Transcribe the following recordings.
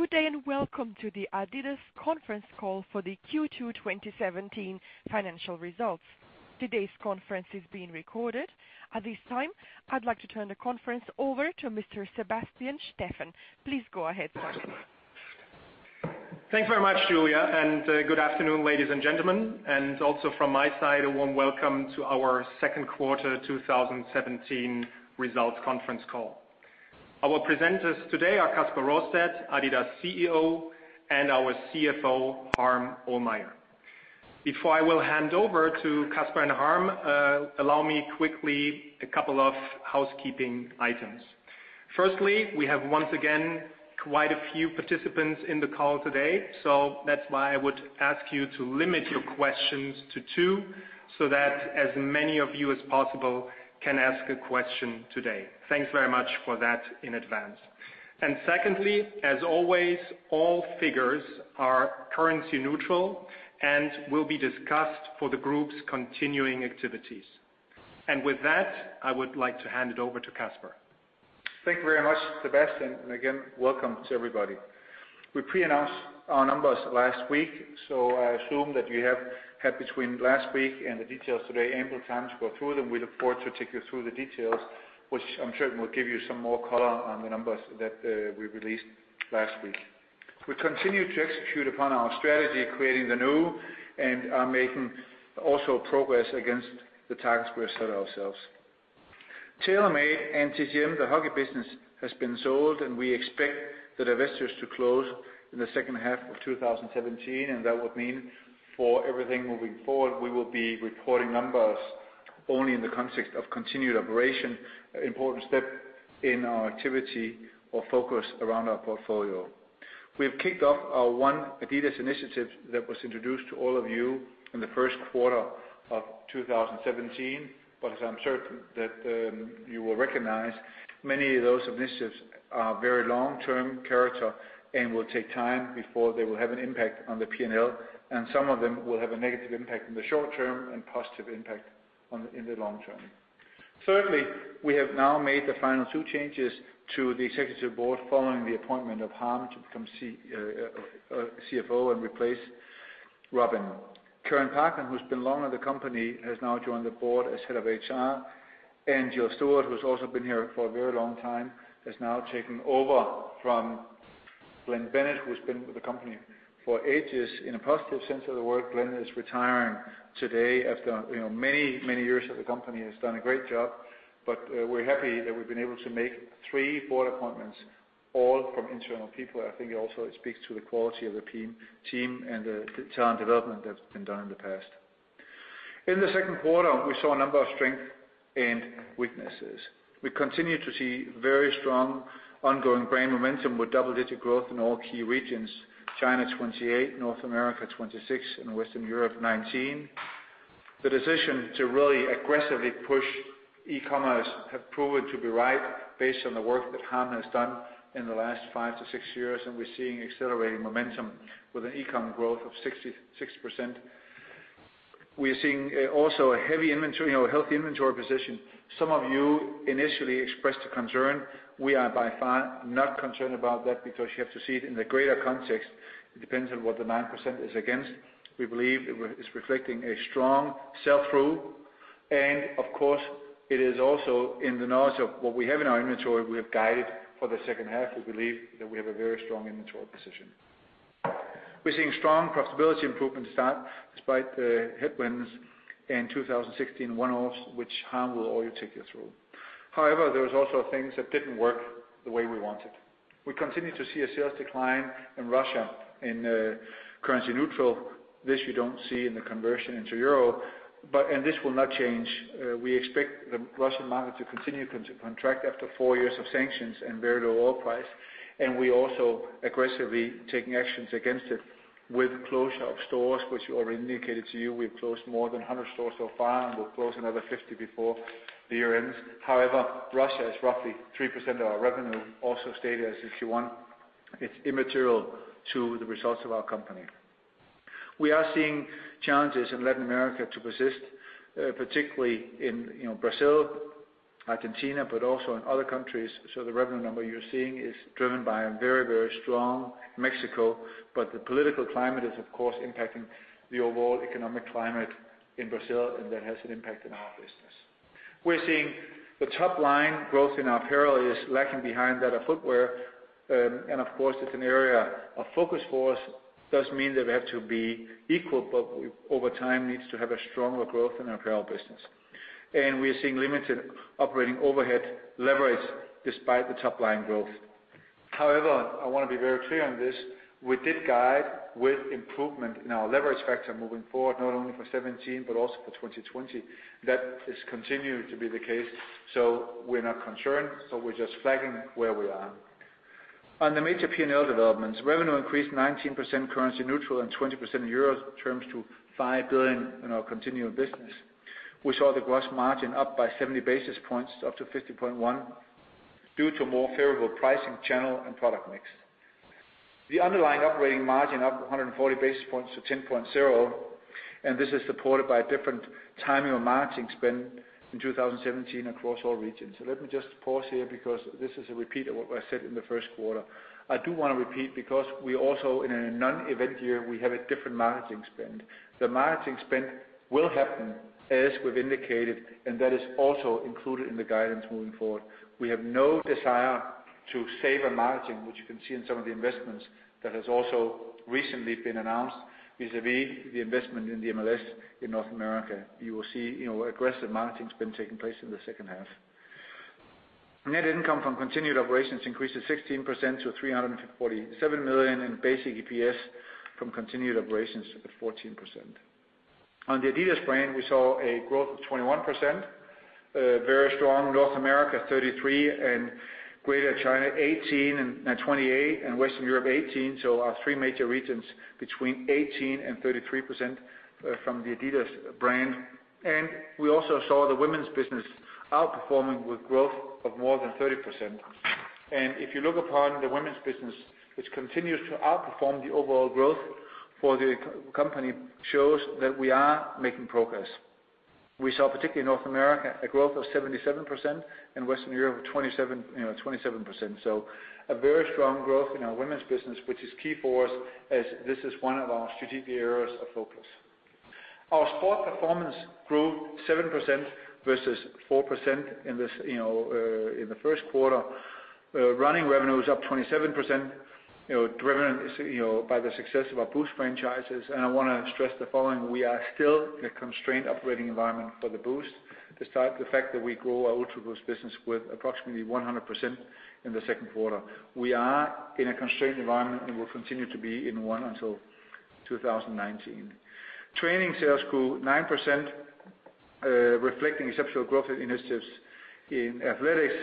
Good day. Welcome to the adidas conference call for the Q2 2017 financial results. Today's conference is being recorded. At this time, I'd like to turn the conference over to Sebastian Steffen. Please go ahead, Sebastian. Thanks very much, Julia. Good afternoon, ladies and gentlemen, and also from my side, a warm welcome to our second quarter 2017 results conference call. Our presenters today are Kasper Rørsted, adidas CEO, and our CFO, Harm Ohlmeyer. Before I will hand over to Kasper and Harm, allow me quickly a couple of housekeeping items. Firstly, we have, once again, quite a few participants in the call today. That's why I would ask you to limit your questions to two, so that as many of you as possible can ask a question today. Thanks very much for that in advance. Secondly, as always, all figures are currency neutral and will be discussed for the group's continuing activities. With that, I would like to hand it over to Kasper. Thank you very much, Sebastian. Again, welcome to everybody. We pre-announced our numbers last week, so I assume that you have had between last week and the details today ample time to go through them. We look forward to take you through the details, which I'm certain will give you some more color on the numbers that we released last week. We continue to execute upon our strategy, Creating the New and are making also progress against the targets we have set ourselves. TaylorMade and CCM, the hockey business, has been sold, and we expect the divestitures to close in the second half of 2017, and that would mean for everything moving forward, we will be reporting numbers only in the context of continued operation, an important step in our activity or focus around our portfolio. We have kicked off our ONE adidas initiative that was introduced to all of you in the first quarter of 2017. As I'm certain that you will recognize, many of those initiatives are very long-term character and will take time before they will have an impact on the P&L, and some of them will have a negative impact in the short term and positive impact in the long term. Thirdly, we have now made the final two changes to the Executive Board following the appointment of Harm to become CFO and replace Robin. Karen Parkin, who's been long in the company, has now joined the Board as Head of HR. Gil Steyaert, who's also been here for a very long time, has now taken over from Glenn Bennett, who's been with the company for ages in a positive sense of the word. Glenn is retiring today after many, many years with the company, has done a great job, but we're happy that we've been able to make three board appointments, all from internal people. I think it also speaks to the quality of the team and the talent development that's been done in the past. In the second quarter, we saw a number of strengths and weaknesses. We continue to see very strong ongoing brand momentum with double-digit growth in all key regions, China 28%, North America 26%, and Western Europe 19%. The decision to really aggressively push e-commerce have proven to be right based on the work that Harm has done in the last five to six years, and we're seeing accelerating momentum with an e-com growth of 66%. We are seeing also a healthy inventory position. Some of you initially expressed a concern. We are by far not concerned about that because you have to see it in the greater context. It depends on what the 9% is against. We believe it is reflecting a strong sell-through, and of course, it is also in the knowledge of what we have in our inventory, we have guided for the second half. We believe that we have a very strong inventory position. We're seeing strong profitability improvements start despite the headwinds in 2016 one-offs, which Harm will take you through. However, there was also things that didn't work the way we wanted. We continue to see a sales decline in Russia in currency neutral. This you don't see in the conversion into EUR, and this will not change. We expect the Russian market to continue to contract after four years of sanctions and very low oil price, and we're also aggressively taking actions against it with closure of stores, which we already indicated to you. We've closed more than 100 stores so far, and we'll close another 50 before the year ends. However, Russia is roughly 3% of our revenue, also stated as if you want, it's immaterial to the results of our company. We are seeing challenges in Latin America to persist, particularly in Brazil, Argentina, but also in other countries. The revenue number you're seeing is driven by a very, very strong Mexico, but the political climate is, of course, impacting the overall economic climate in Brazil, and that has an impact on our business. We're seeing the top-line growth in apparel is lacking behind that of footwear, and of course, it's an area of focus for us. It doesn't mean that we have to be equal, but over time needs to have a stronger growth in our apparel business. We are seeing limited operating overhead leverage despite the top-line growth. However, I want to be very clear on this. We did guide with improvement in our leverage factor moving forward, not only for 2017 but also for 2020. That is continuing to be the case. We're not concerned, but we're just flagging where we are. On the major P&L developments, revenue increased 19% currency neutral and 20% in EUR terms to 5 billion in our continuing business. We saw the gross margin up by 70 basis points, up to 50.1%, due to more favorable pricing, channel, and product mix. The underlying operating margin up 140 basis points to 10.0%. This is supported by a different timing of marketing spend in 2017 across all regions. Let me just pause here because this is a repeat of what I said in the first quarter. I do want to repeat because we also, in a non-event year, we have a different marketing spend. The marketing spend will happen as we've indicated, and that is also included in the guidance moving forward. We have no desire to save marketing, which you can see in some of the investments that has also recently been announced vis-a-vis the investment in the MLS in North America. You will see aggressive marketing spend taking place in the second half. Net income from continued operations increased to 16% to 347 million in basic EPS from continued operations at 14%. On the adidas brand, we saw a growth of 21%, very strong North America 33%, and Greater China 18% and 28%, and Western Europe 18%. Our three major regions between 18% and 33% from the adidas brand. We also saw the women's business outperforming with growth of more than 30%. If you look upon the women's business, which continues to outperform the overall growth for the company, shows that we are making progress. We saw, particularly in North America, a growth of 77% and Western Europe of 27%. A very strong growth in our women's business, which is key for us as this is one of our strategic areas of focus. Our sport performance grew 7% versus 4% in the first quarter. Running revenue is up 27%, driven by the success of our Boost franchises. I want to stress the following. We are still in a constrained operating environment for the Boost, despite the fact that we grow our UltraBOOST business with approximately 100% in the second quarter. We are in a constrained environment and will continue to be in one until 2019. Training sales grew 9%, reflecting exceptional growth initiatives in athletics.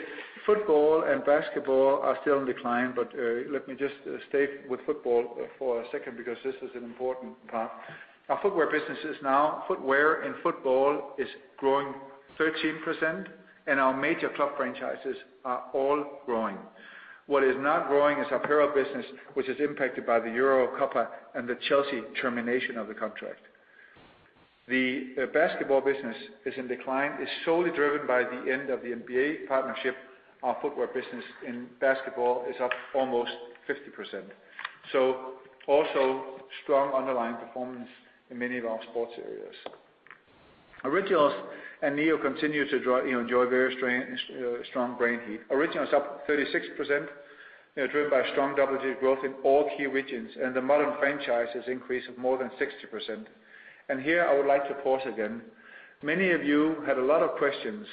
Football and basketball are still in decline, but let me just stay with football for a second because this is an important part. Our footwear business is now footwear and football is growing 13%, and our major club franchises are all growing. What is not growing is our apparel business, which is impacted by the Euro/Copa and the Chelsea termination of the contract. The basketball business is in decline, is solely driven by the end of the NBA partnership. Our footwear business in basketball is up almost 50%. Also strong underlying performance in many of our sports areas. Originals and Neo continue to enjoy very strong brand heat. Originals up 36%, driven by strong double-digit growth in all key regions, and the modern franchises increase of more than 60%. Here I would like to pause again. Many of you had a lot of questions,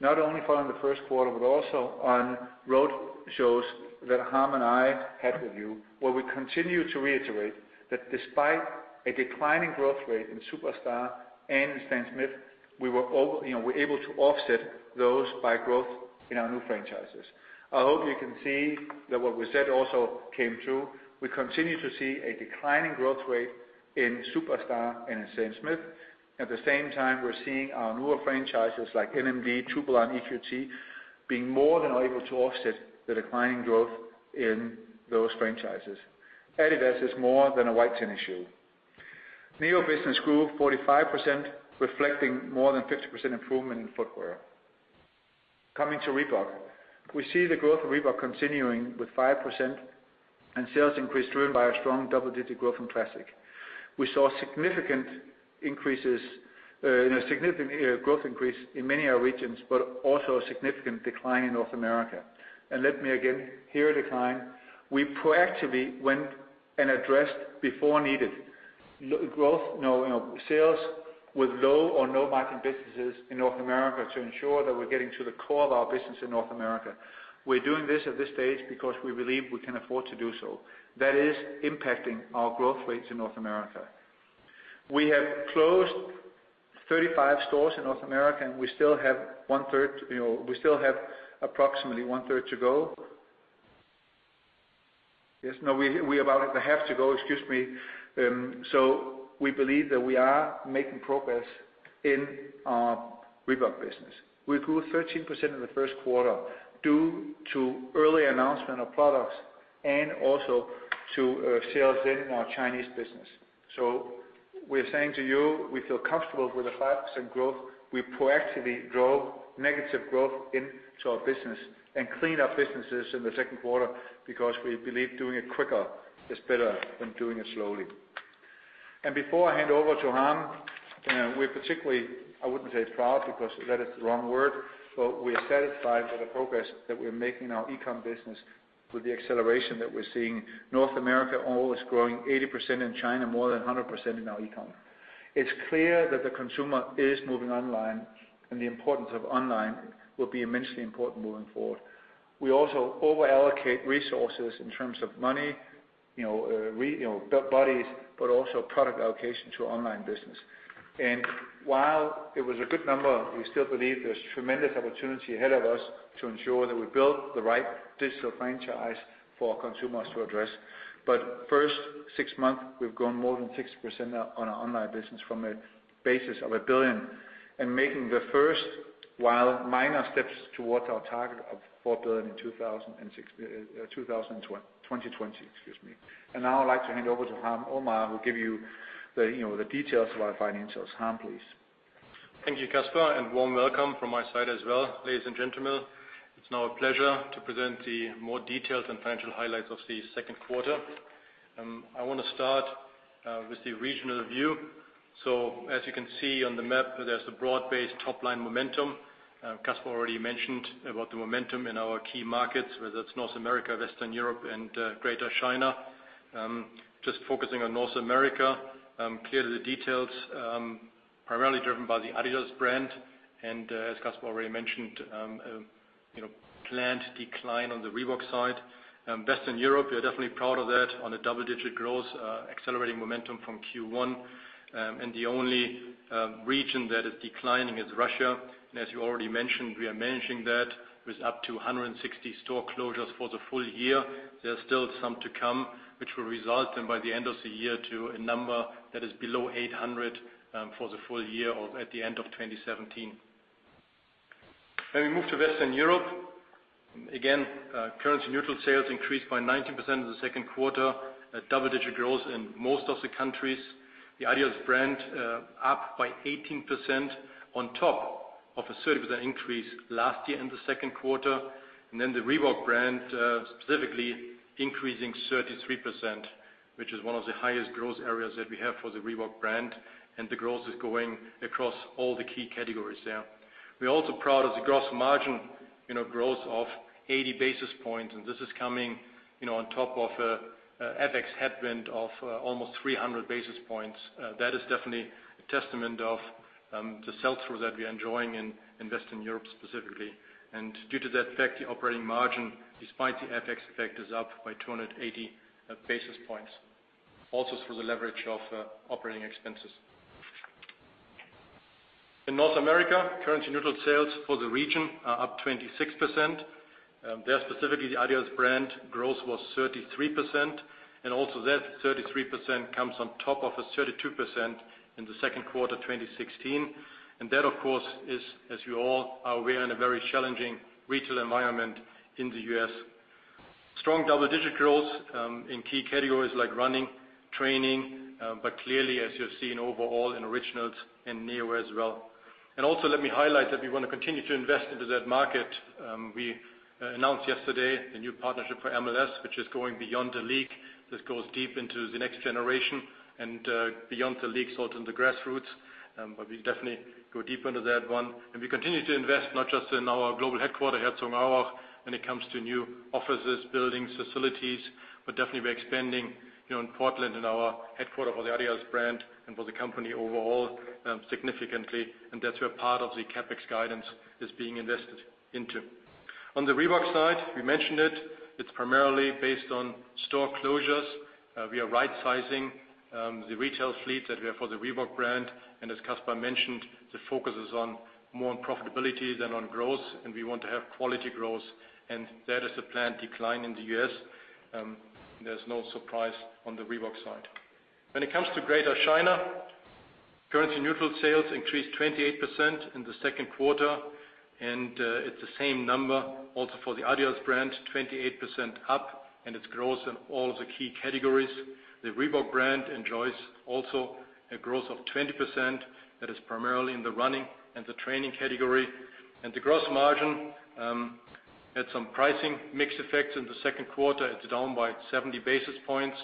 not only following the first quarter, but also on road shows that Harm and I had with you, where we continue to reiterate that despite a declining growth rate in Superstar and in Stan Smith, we're able to offset those by growth in our new franchises. I hope you can see that what we said also came true. We continue to see a declining growth rate in Superstar and in Stan Smith. At the same time, we're seeing our newer franchises like NMD, Tubular, and EQT being more than able to offset the declining growth in those franchises. Adidas is more than a white tennis shoe. Neo business grew 45%, reflecting more than 50% improvement in footwear. Coming to Reebok. We see the growth of Reebok continuing with 5% and sales increase driven by a strong double-digit growth in Classic. We saw significant growth increase in many of our regions, but also a significant decline in North America. Let me again, here a decline, we proactively went and addressed before needed sales with low or no margin businesses in North America to ensure that we're getting to the core of our business in North America. We're doing this at this stage because we believe we can afford to do so. That is impacting our growth rates in North America. We have closed 35 stores in North America, and we still have approximately one-third to go. We about have to go. Excuse me. We believe that we are making progress in our Reebok business. We grew 13% in the first quarter due to early announcement of products and also to sales in our Chinese business. We're saying to you, we feel comfortable with a 5% growth. We proactively drove negative growth into our business and cleaned up businesses in the second quarter because we believe doing it quicker is better than doing it slowly. Before I hand over to Harm, we're particularly, I wouldn't say proud, because that is the wrong word, but we are satisfied with the progress that we're making in our e-com business with the acceleration that we're seeing. North America all is growing 80% in China, more than 100% in our e-com. It's clear that the consumer is moving online, and the importance of online will be immensely important moving forward. We also over-allocate resources in terms of money, bodies, but also product allocation to our online business. While it was a good number, we still believe there's tremendous opportunity ahead of us to ensure that we build the right digital franchise for our consumers to address. First six months, we've grown more than 60% on our online business from a basis of 1 billion and making the first while minor steps towards our target of 4 billion in 2020. Excuse me. Now I'd like to hand over to Harm Ohlmeyer, who'll give you the details of our financials. Harm, please. Thank you, Kasper, and warm welcome from my side as well. Ladies and gentlemen, it's now a pleasure to present the more detailed and financial highlights of the second quarter. I want to start with the regional view. As you can see on the map, there's a broad-based top-line momentum. Kasper already mentioned about the momentum in our key markets, whether it's North America, Western Europe, and Greater China. Just focusing on North America. Clearly, the details, primarily driven by the adidas brand and, as Kasper already mentioned, planned decline on the Reebok side. Western Europe, we are definitely proud of that. On a double-digit growth, accelerating momentum from Q1. The only region that is declining is Russia. As you already mentioned, we are managing that with up to 160 store closures for the full year. There's still some to come, which will result in, by the end of the year, to a number that is below 800 for the full year or at the end of 2017. We move to Western Europe. Again, currency-neutral sales increased by 19% in the second quarter. A double-digit growth in most of the countries. The adidas brand up by 18% on top of a 30% increase last year in the second quarter. The Reebok brand specifically increasing 33%, which is one of the highest growth areas that we have for the Reebok brand, and the growth is going across all the key categories there. We're also proud of the gross margin growth of 80 basis points, and this is coming on top of a FX headwind of almost 300 basis points. That is definitely a testament of the sell-through that we are enjoying in Western Europe specifically. Due to that effect, the operating margin, despite the FX effect, is up by 280 basis points, also through the leverage of operating expenses. In North America, currency-neutral sales for the region are up 26%. There specifically, the adidas brand growth was 33%, and also that 33% comes on top of a 32% in the second quarter 2016. That, of course, is, as you all are aware, in a very challenging retail environment in the U.S. Strong double-digit growth in key categories like running, training, but clearly, as you have seen overall in adidas Originals and adidas Neo as well. Let me highlight that we want to continue to invest into that market. We announced yesterday the new partnership for MLS, which is going beyond the league. This goes deep into the next generation and beyond the league, so out in the grassroots. We definitely go deep into that one. We continue to invest not just in our global headquarter, Herzogenaurach, when it comes to new offices, buildings, facilities, but definitely we're expanding in Portland, in our headquarter for the adidas brand and for the company overall, significantly. That's where part of the CapEx guidance is being invested into. On the Reebok side, we mentioned it. It's primarily based on store closures. We are rightsizing the retail fleet that we have for the Reebok brand. As Kasper mentioned, the focus is on more on profitability than on growth, and we want to have quality growth, and that is a planned decline in the U.S. There's no surprise on the Reebok side. When it comes to Greater China, currency-neutral sales increased 28% in the second quarter, and it's the same number also for the adidas brand, 28% up, and it's growth in all the key categories. The Reebok brand enjoys also a growth of 20% that is primarily in the running and the training category. The gross margin had some pricing mix effects in the second quarter. It's down by 70 basis points.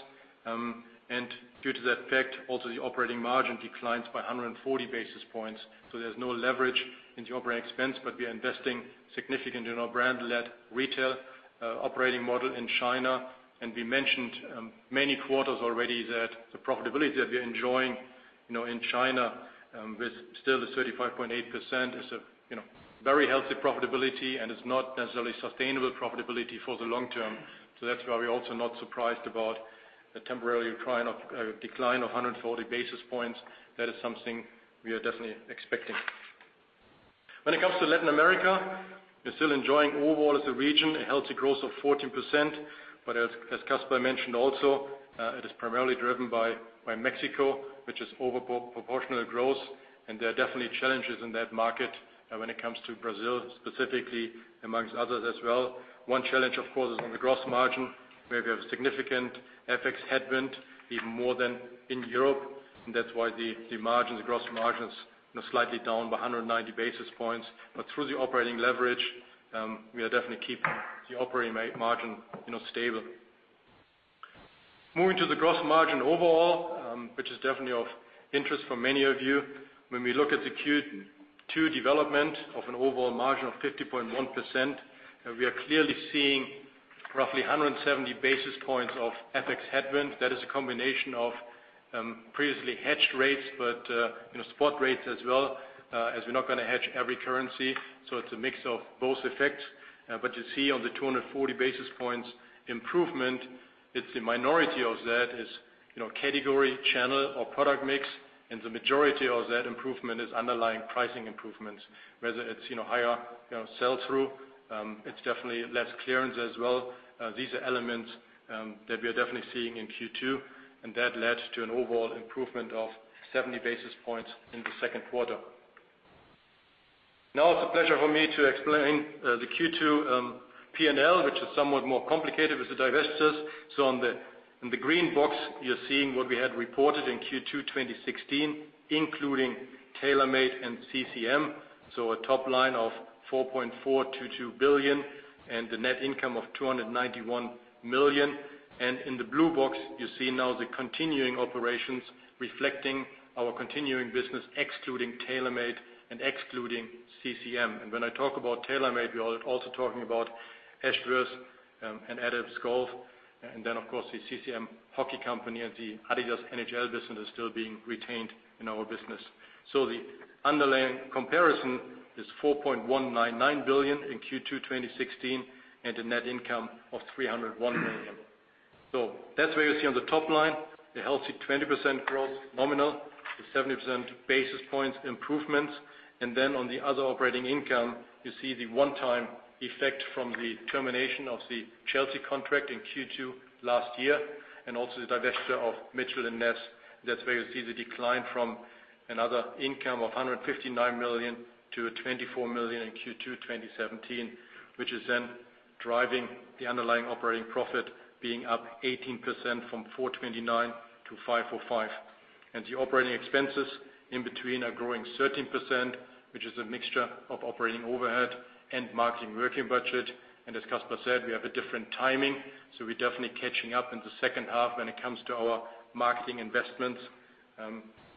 Due to that effect, also the operating margin declines by 140 basis points. There's no leverage in the operating expense, but we are investing significant in our brand-led retail operating model in China. We mentioned many quarters already that the profitability that we are enjoying in China with still the 35.8% is a very healthy profitability and is not necessarily sustainable profitability for the long term. That's why we're also not surprised about a temporary decline of 140 basis points. That is something we are definitely expecting. When it comes to Latin America, we're still enjoying overall as a region a healthy growth of 14%. As Kasper mentioned also, it is primarily driven by Mexico, which is overproportional growth, and there are definitely challenges in that market when it comes to Brazil specifically, amongst others as well. One challenge, of course, is on the gross margin, where we have significant FX headwind even more than in Europe, and that's why the gross margins are slightly down by 190 basis points. Through the operating leverage, we are definitely keeping the operating margin stable. Moving to the gross margin overall, which is definitely of interest for many of you. When we look at the Q2 development of an overall margin of 50.1%, we are clearly seeing roughly 170 basis points of FX headwind. That is a combination of previously hedged rates, but spot rates as well, as we're not going to hedge every currency. It's a mix of both effects. You see on the 240 basis points improvement, it's a minority of that is category, channel, or product mix, and the majority of that improvement is underlying pricing improvements, whether it's higher sell-through. It's definitely less clearance as well. These are elements that we are definitely seeing in Q2, and that led to an overall improvement of 70 basis points in the second quarter. Now it's a pleasure for me to explain the Q2 P&L, which is somewhat more complicated with the divestitures. On the green box, you're seeing what we had reported in Q2 2016, including TaylorMade and CCM. A top line of 4.422 billion and the net income of 291 million. In the blue box, you see now the continuing operations reflecting our continuing business, excluding TaylorMade and excluding CCM. When I talk about TaylorMade, we are also talking about Ashworth and Adams Golf, and then of course, the CCM hockey company and the adidas NHL business is still being retained in our business. The underlying comparison is 4.199 billion in Q2 2016, and a net income of 301 million. That's where you see on the top line, the healthy 20% growth nominal with 70 basis points improvements. On the other operating income, you see the one-time effect from the termination of the Chelsea contract in Q2 last year, and also the divesture of Mitchell & Ness. That's where you see the decline from another income of 159 million to 24 million in Q2 2017, which is driving the underlying operating profit being up 18% from 429 to 545. The operating expenses in between are growing 13%, which is a mixture of operating overhead and marketing working budget. As Kasper said, we have a different timing, we're definitely catching up in the second half when it comes to our marketing investments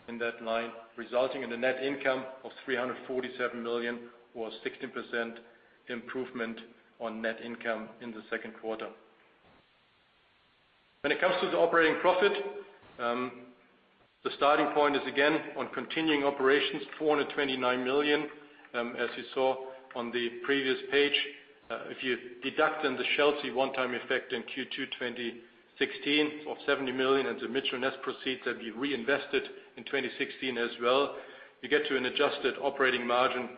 in that line, resulting in a net income of 347 million or 16% improvement on net income in the second quarter. When it comes to the operating profit, the starting point is again on continuing operations, 429 million. As you saw on the previous page, if you deduct the Chelsea one-time effect in Q2 2016 of 70 million and the Mitchell & Ness proceeds that we reinvested in 2016 as well, you get to an adjusted operating margin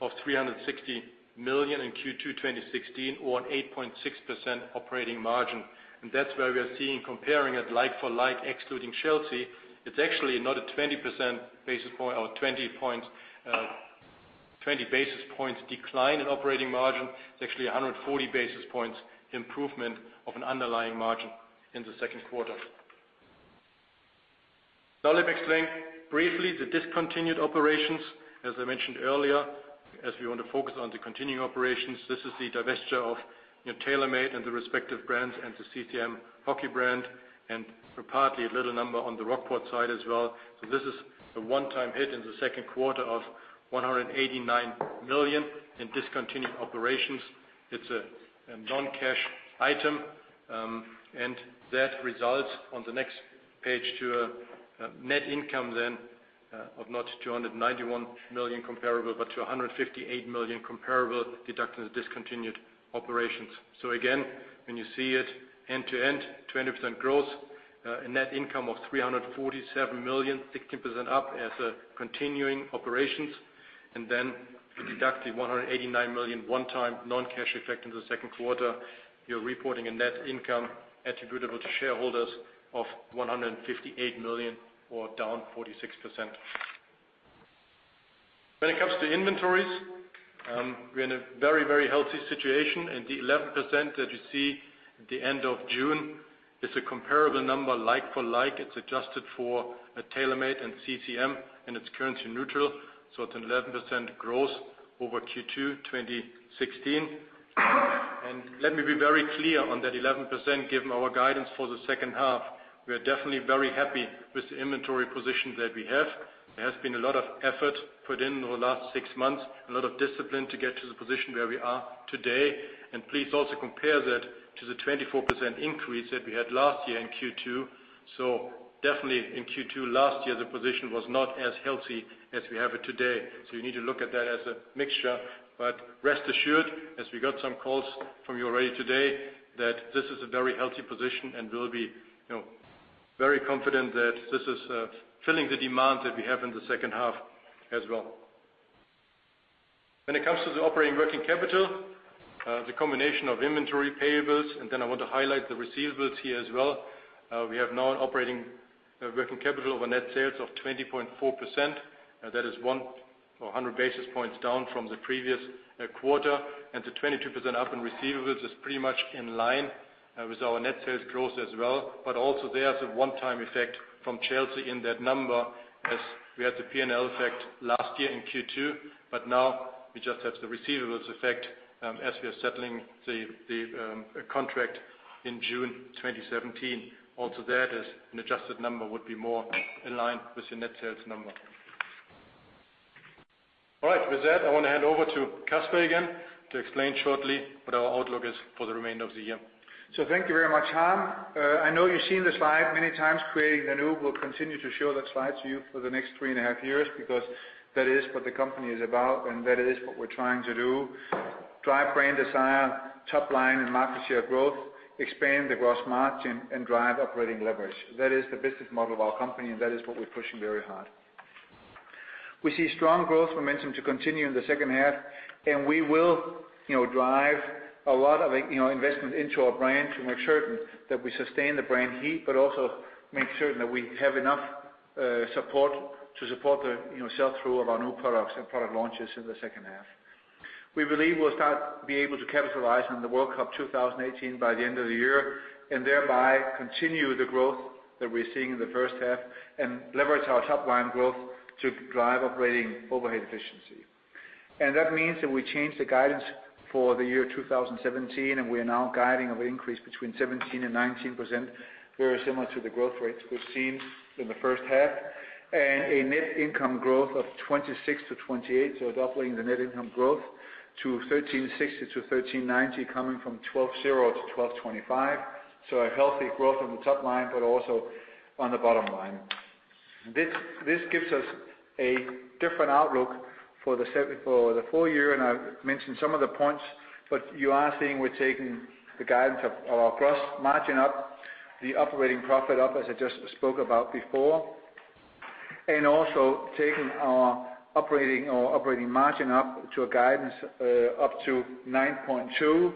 of 360 million in Q2 2016 or an 8.6% operating margin. That's where we are seeing comparing it like for like excluding Chelsea, it's actually not a 20 basis points decline in operating margin. It's actually 140 basis points improvement of an underlying margin in the second quarter. Let me explain briefly the discontinued operations. As I mentioned earlier, as we want to focus on the continuing operations, this is the divesture of TaylorMade and the respective brands and the CCM hockey brand and partly a little number on the Rockport side as well. This is a one-time hit in the second quarter of 189 million in discontinued operations. It's a non-cash item. That results on the next page to a net income of not 291 million comparable, but to 158 million comparable deducting the discontinued operations. Again, when you see it end to end, 20% growth, a net income of 347 million, 16% up as a continuing operations. You deduct the 189 million one-time non-cash effect in the second quarter. You're reporting a net income attributable to shareholders of 158 million or down 46%. When it comes to inventories, we're in a very healthy situation and the 11% that you see at the end of June is a comparable number like for like. It's adjusted for TaylorMade and CCM and it's currency neutral. It's an 11% growth over Q2 2016. Let me be very clear on that 11%, given our guidance for the second half. We are definitely very happy with the inventory position that we have. There has been a lot of effort put in over the last six months, a lot of discipline to get to the position where we are today. Please also compare that to the 24% increase that we had last year in Q2. Definitely in Q2 last year, the position was not as healthy as we have it today. You need to look at that as a mixture, but rest assured, as we got some calls from you already today, that this is a very healthy position and we'll be very confident that this is filling the demand that we have in the second half as well. When it comes to the operating working capital, the combination of inventory payables, I want to highlight the receivables here as well. We have now an operating working capital over net sales of 20.4%. That is 100 basis points down from the previous quarter and the 22% up in receivables is pretty much in line with our net sales growth as well, but also there's a one-time effect from Chelsea in that number as we had the P&L effect last year in Q2, but now we just have the receivables effect as we are settling the contract in June 2017. Also there, an adjusted number would be more in line with your net sales number. All right, with that, I want to hand over to Kasper again to explain shortly what our outlook is for the remainder of the year. Thank you very much, Harm. I know you've seen this slide many times. Creating the New, we'll continue to show that slide to you for the next three and a half years because that is what the company is about and that is what we're trying to do. Drive brand desire, top line and market share growth, expand the gross margin and drive operating leverage. That is the business model of our company and that is what we're pushing very hard. We see strong growth momentum to continue in the second half and we will drive a lot of investment into our brand to make certain that we sustain the brand heat, but also make certain that we have enough support to support the sell-through of our new products and product launches in the second half. We believe we'll start being able to capitalize on the 2018 FIFA World Cup by the end of the year, thereby continue the growth that we're seeing in the first half and leverage our top-line growth to drive operating overhead efficiency. That means that we change the guidance for the year 2017, and we are now guiding of an increase between 17% and 19%, very similar to the growth rates we've seen in the first half, and a net income growth of 26%-28%. Doubling the net income growth to 1,360-1,390, coming from 1,200-1,225. A healthy growth on the top line, but also on the bottom line. This gives us a different outlook for the full year, I've mentioned some of the points, you are seeing we're taking the guidance of our gross margin up, the operating profit up, as I just spoke about before. Also taking our operating margin up to a guidance up to 9.2%,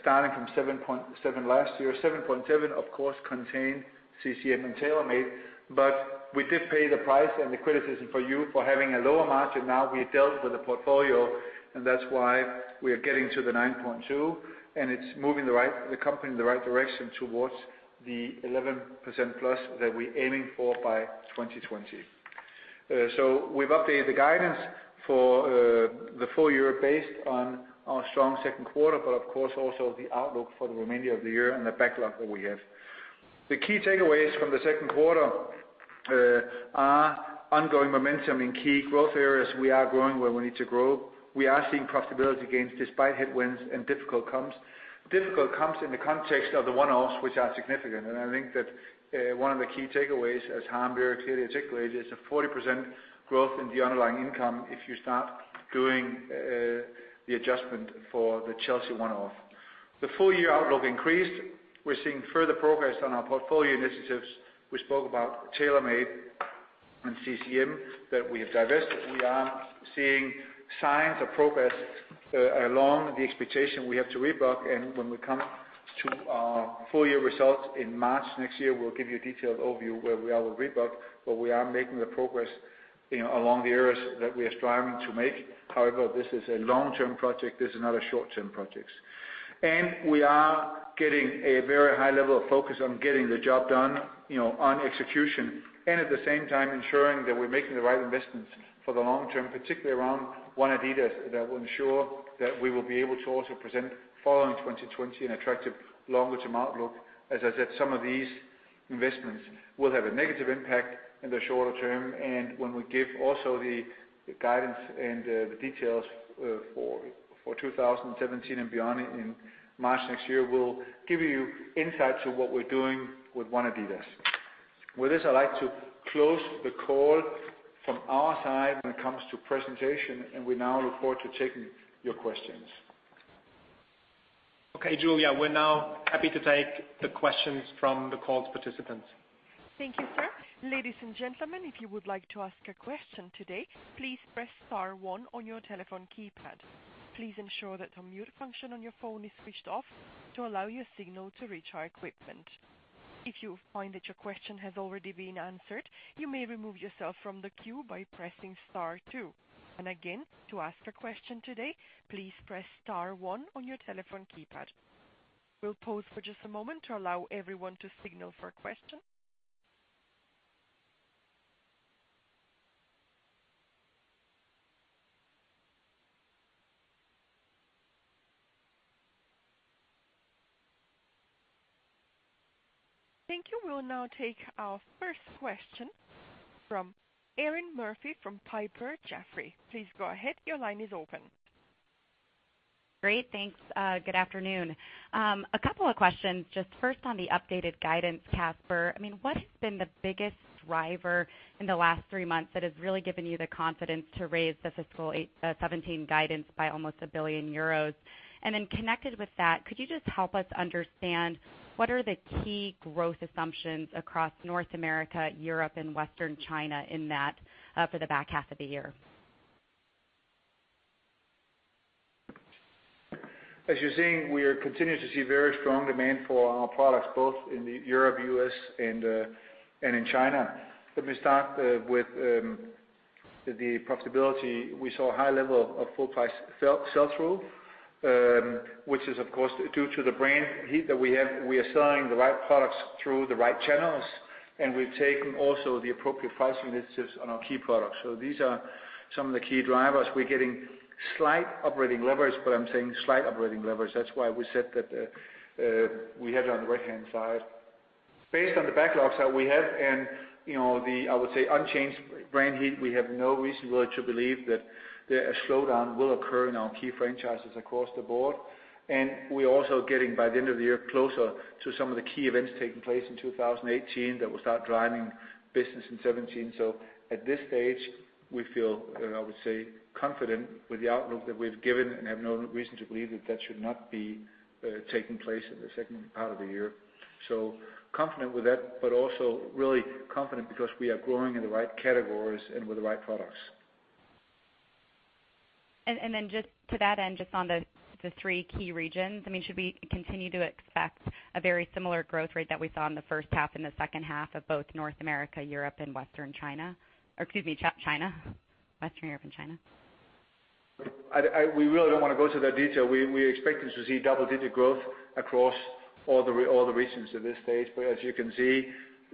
starting from 7.7% last year. 7.7% of course, contained CCM and TaylorMade, but we did pay the price and the criticism for you for having a lower margin. We dealt with the portfolio, that's why we are getting to the 9.2%, and it's moving the company in the right direction towards the 11%+ that we're aiming for by 2020. We've updated the guidance for the full year based on our strong second quarter, of course, also the outlook for the remainder of the year and the backlog that we have. The key takeaways from the second quarter are ongoing momentum in key growth areas. We are growing where we need to grow. We are seeing profitability gains despite headwinds and difficult comps. Difficult comps in the context of the one-offs, which are significant. I think that one of the key takeaways, as Harm very clearly articulated, is a 40% growth in the underlying income if you start doing the adjustment for the Chelsea one-off. The full-year outlook increased. We're seeing further progress on our portfolio initiatives. We spoke about TaylorMade and CCM, that we have divested. We are seeing signs of progress along the expectation we have to Reebok. When we come to our full-year results in March next year, we'll give you a detailed overview where we are with Reebok, but we are making the progress along the areas that we are striving to make. However, this is a long-term project. This is not a short-term project. We are getting a very high level of focus on getting the job done on execution, and at the same time ensuring that we're making the right investments for the long term, particularly around ONE adidas, that will ensure that we will be able to also present following 2020 an attractive longer-term outlook. As I said, some of these investments will have a negative impact in the shorter term, and when we give also the guidance and the details for 2017 and beyond in March next year, we'll give you insights of what we're doing with ONE adidas. With this, I'd like to close the call from our side when it comes to presentation. We now look forward to taking your questions. Okay, Julia, we're now happy to take the questions from the call's participants. Thank you, sir. Ladies and gentlemen, if you would like to ask a question today, please press star one on your telephone keypad. Please ensure that the mute function on your phone is switched off to allow your signal to reach our equipment. If you find that your question has already been answered, you may remove yourself from the queue by pressing star two. Again, to ask a question today, please press star one on your telephone keypad. We'll pause for just a moment to allow everyone to signal for a question. Thank you. We will now take our first question from Erinn Murphy from Piper Jaffray. Please go ahead. Your line is open. Great. Thanks. Good afternoon. A couple of questions. Just first on the updated guidance, Kasper. What has been the biggest driver in the last three months that has really given you the confidence to raise the fiscal 2017 guidance by almost 1 billion euros? Then connected with that, could you just help us understand what are the key growth assumptions across North America, Europe, and Western China in that for the back half of the year? As you're seeing, we continue to see very strong demand for our products both in Europe, the U.S., and in China. Let me start with the profitability. We saw a high level of full price sell-through, which is of course due to the brand heat that we have. We are selling the right products through the right channels, and we've taken also the appropriate pricing initiatives on our key products. These are some of the key drivers. We're getting slight operating leverage, but I'm saying slight operating leverage. That's why we said that we had it on the right-hand side. Based on the backlogs that we have and the, I would say, unchanged brand heat, we have no reason really to believe that a slowdown will occur in our key franchises across the board. We're also getting, by the end of the year, closer to some of the key events taking place in 2018 that will start driving business in 2017. At this stage, we feel, I would say, confident with the outlook that we've given and have no reason to believe that that should not be taking place in the second part of the year. Confident with that, but also really confident because we are growing in the right categories and with the right products. Just to that end, just on the three key regions, should we continue to expect a very similar growth rate that we saw in the first half and the second half of both North America, Europe, and Western China? Or excuse me, China. Western Europe and China. We really don't want to go to that detail. We expected to see double-digit growth across all the regions at this stage. As you can see,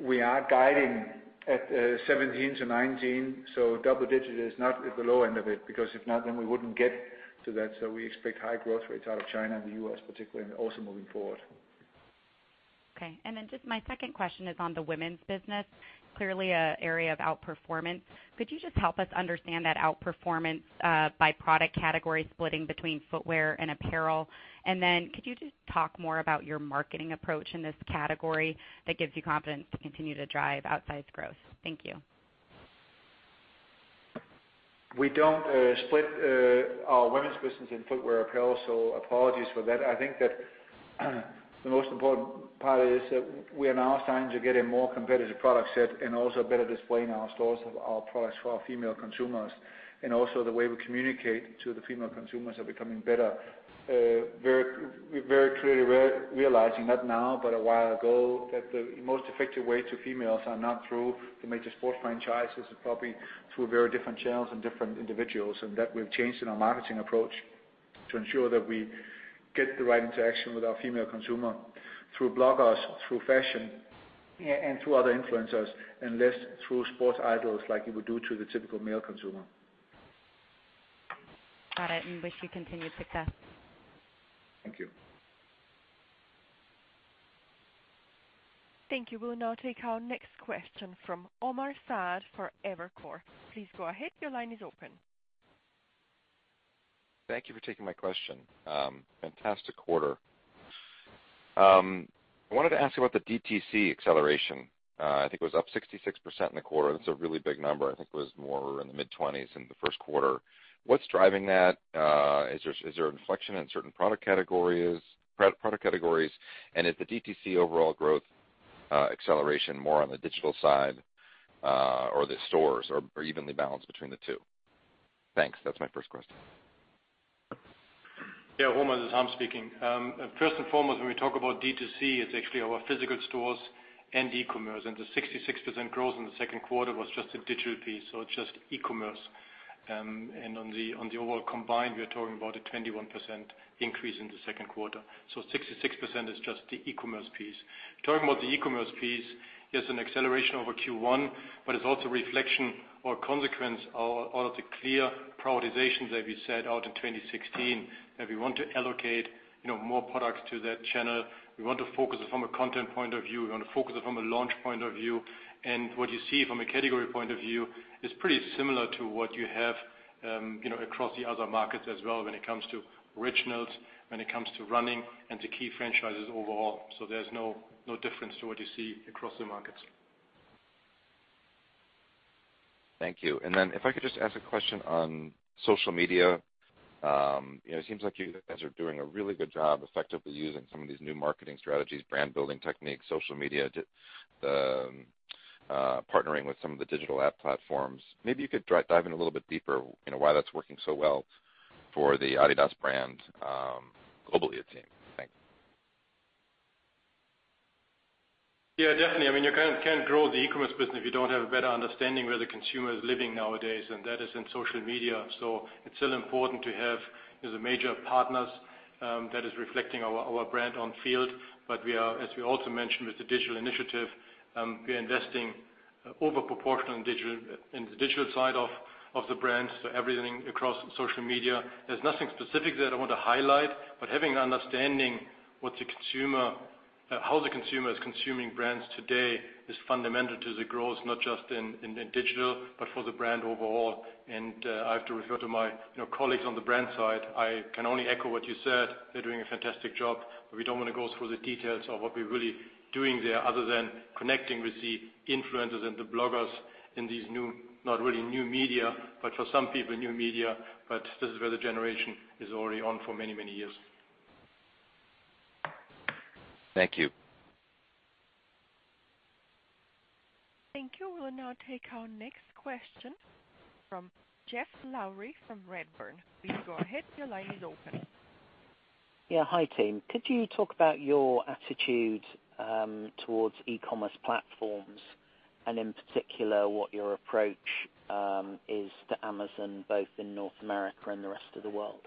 we are guiding at 17% to 19%, double digit is not at the low end of it, because if not, then we wouldn't get to that. We expect high growth rates out of China and the U.S. particularly, and also moving forward. Okay. Just my second question is on the women's business, clearly an area of outperformance. Could you just help us understand that outperformance by product category splitting between footwear and apparel? Could you just talk more about your marketing approach in this category that gives you confidence to continue to drive outsized growth? Thank you. We don't split our women's business in footwear, apparel, so apologies for that. I think that the most important part is that we are now starting to get a more competitive product set and also better display in our stores of our products for our female consumers. The way we communicate to the female consumers are becoming better. We're very clearly realizing not now but a while ago, that the most effective way to females are not through the major sports franchises. It's probably through very different channels and different individuals, and that we've changed in our marketing approach to ensure that we get the right interaction with our female consumer, through bloggers, through fashion, and through other influencers, and less through sports idols like you would do to the typical male consumer. Got it and wish you continued success. Thank you. Thank you. We'll now take our next question from Omar Saad for Evercore. Please go ahead. Your line is open. Thank you for taking my question. Fantastic quarter. I wanted to ask you about the DTC acceleration. I think it was up 66% in the quarter. That's a really big number. I think it was more in the mid-20s in the first quarter. What's driving that? Is there an inflection in certain product categories? Is the DTC overall growth acceleration more on the digital side, or the stores, or evenly balanced between the two? Thanks. That's my first question. Yeah, Omar, this is Harm speaking. First and foremost, when we talk about DTC, it's actually our physical stores and e-commerce, the 66% growth in the second quarter was just the digital piece, so it's just e-commerce. On the overall combined, we are talking about a 21% increase in the second quarter. 66% is just the e-commerce piece. Talking about the e-commerce piece, it's an acceleration over Q1, it's also a reflection or consequence of all of the clear prioritizations that we set out in 2016, that we want to allocate more products to that channel. We want to focus it from a content point of view. We want to focus it from a launch point of view. What you see from a category point of view is pretty similar to what you have across the other markets as well when it comes to Originals, when it comes to running, and to key franchises overall. There's no difference to what you see across the markets. Thank you. If I could just ask a question on social media. It seems like you guys are doing a really good job effectively using some of these new marketing strategies, brand-building techniques, social media, partnering with some of the digital app platforms. Maybe you could dive in a little bit deeper, why that's working so well for the adidas brand globally, I'd say. Thank you. Yeah, definitely. You can't grow the e-commerce business if you don't have a better understanding where the consumer is living nowadays, and that is in social media. It's still important to have the major partners that is reflecting our brand on field. As we also mentioned with the digital initiative, we are investing over-proportion in the digital side of the brands, everything across social media. There's nothing specific that I want to highlight, but having an understanding how the consumer is consuming brands today is fundamental to the growth, not just in digital, but for the brand overall. I have to refer to my colleagues on the brand side. I can only echo what you said. They're doing a fantastic job. We don't want to go through the details of what we're really doing there other than connecting with the influencers and the bloggers in these new, not really new media, but for some people, new media. This is where the generation is already on for many, many years. Thank you. Thank you. We'll now take our next question from Geoff Lowery from Redburn. Please go ahead. Your line is open. Yeah. Hi, team. Could you talk about your attitude towards e-commerce platforms, and in particular, what your approach is to Amazon, both in North America and the rest of the world?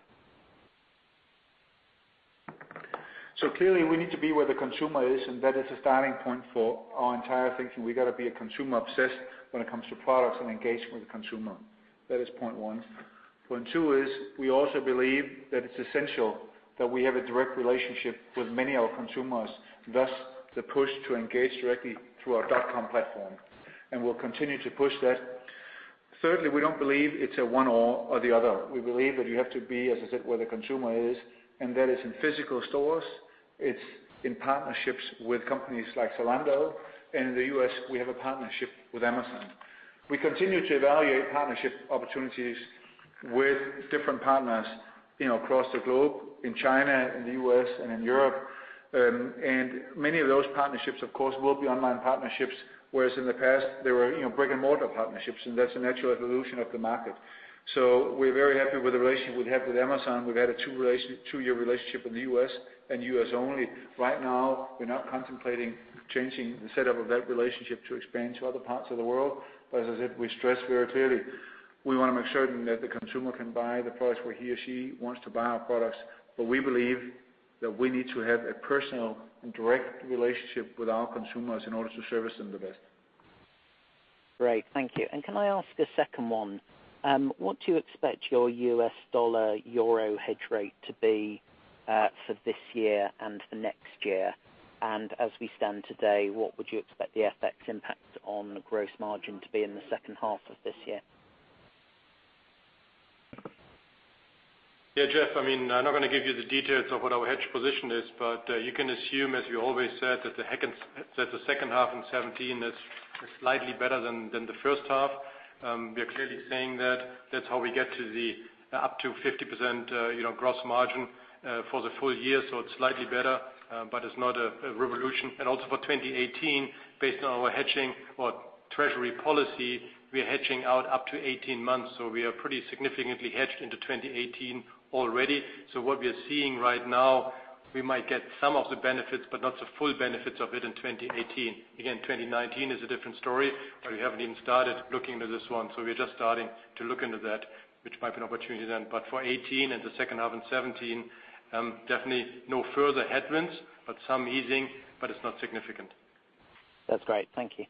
Clearly, we need to be where the consumer is, and that is a starting point for our entire thinking. We got to be consumer obsessed when it comes to products and engagement with the consumer. That is point 1. Point 2 is we also believe that it's essential that we have a direct relationship with many of our consumers, thus the push to engage directly through our dot-com platform. We'll continue to push that. Thirdly, we don't believe it's a one or the other. We believe that you have to be, as I said, where the consumer is, and that is in physical stores. It's in partnerships with companies like Zalando. In the U.S., we have a partnership with Amazon. We continue to evaluate partnership opportunities with different partners across the globe, in China, in the U.S., and in Europe. Many of those partnerships, of course, will be online partnerships, whereas in the past, they were brick-and-mortar partnerships, and that's a natural evolution of the market. We're very happy with the relationship we have with Amazon. We've had a two-year relationship in the U.S. and U.S. only. Right now, we're not contemplating changing the setup of that relationship to expand to other parts of the world. As I said, we stress very clearly, we want to make certain that the consumer can buy the products where he or she wants to buy our products. We believe that we need to have a personal and direct relationship with our consumers in order to service them the best. Great, thank you. Can I ask a second one? What do you expect your U.S. dollar-euro hedge rate to be for this year and for next year? As we stand today, what would you expect the FX impact on the gross margin to be in the second half of this year? Geoff, I'm not going to give you the details of what our hedge position is, you can assume, as we always said, that the second half in 2017 is slightly better than the first half. We are clearly saying that's how we get to the up to 50% gross margin for the full year, so it's slightly better, it's not a revolution. Also for 2018, based on our hedging or treasury policy, we are hedging out up to 18 months, we are pretty significantly hedged into 2018 already. What we are seeing right now, we might get some of the benefits but not the full benefits of it in 2018. Again, 2019 is a different story, where we haven't even started looking into this one. We're just starting to look into that, which might be an opportunity then. For 2018 and the second half in 2017, definitely no further headwinds, some easing, it's not significant. That's great. Thank you.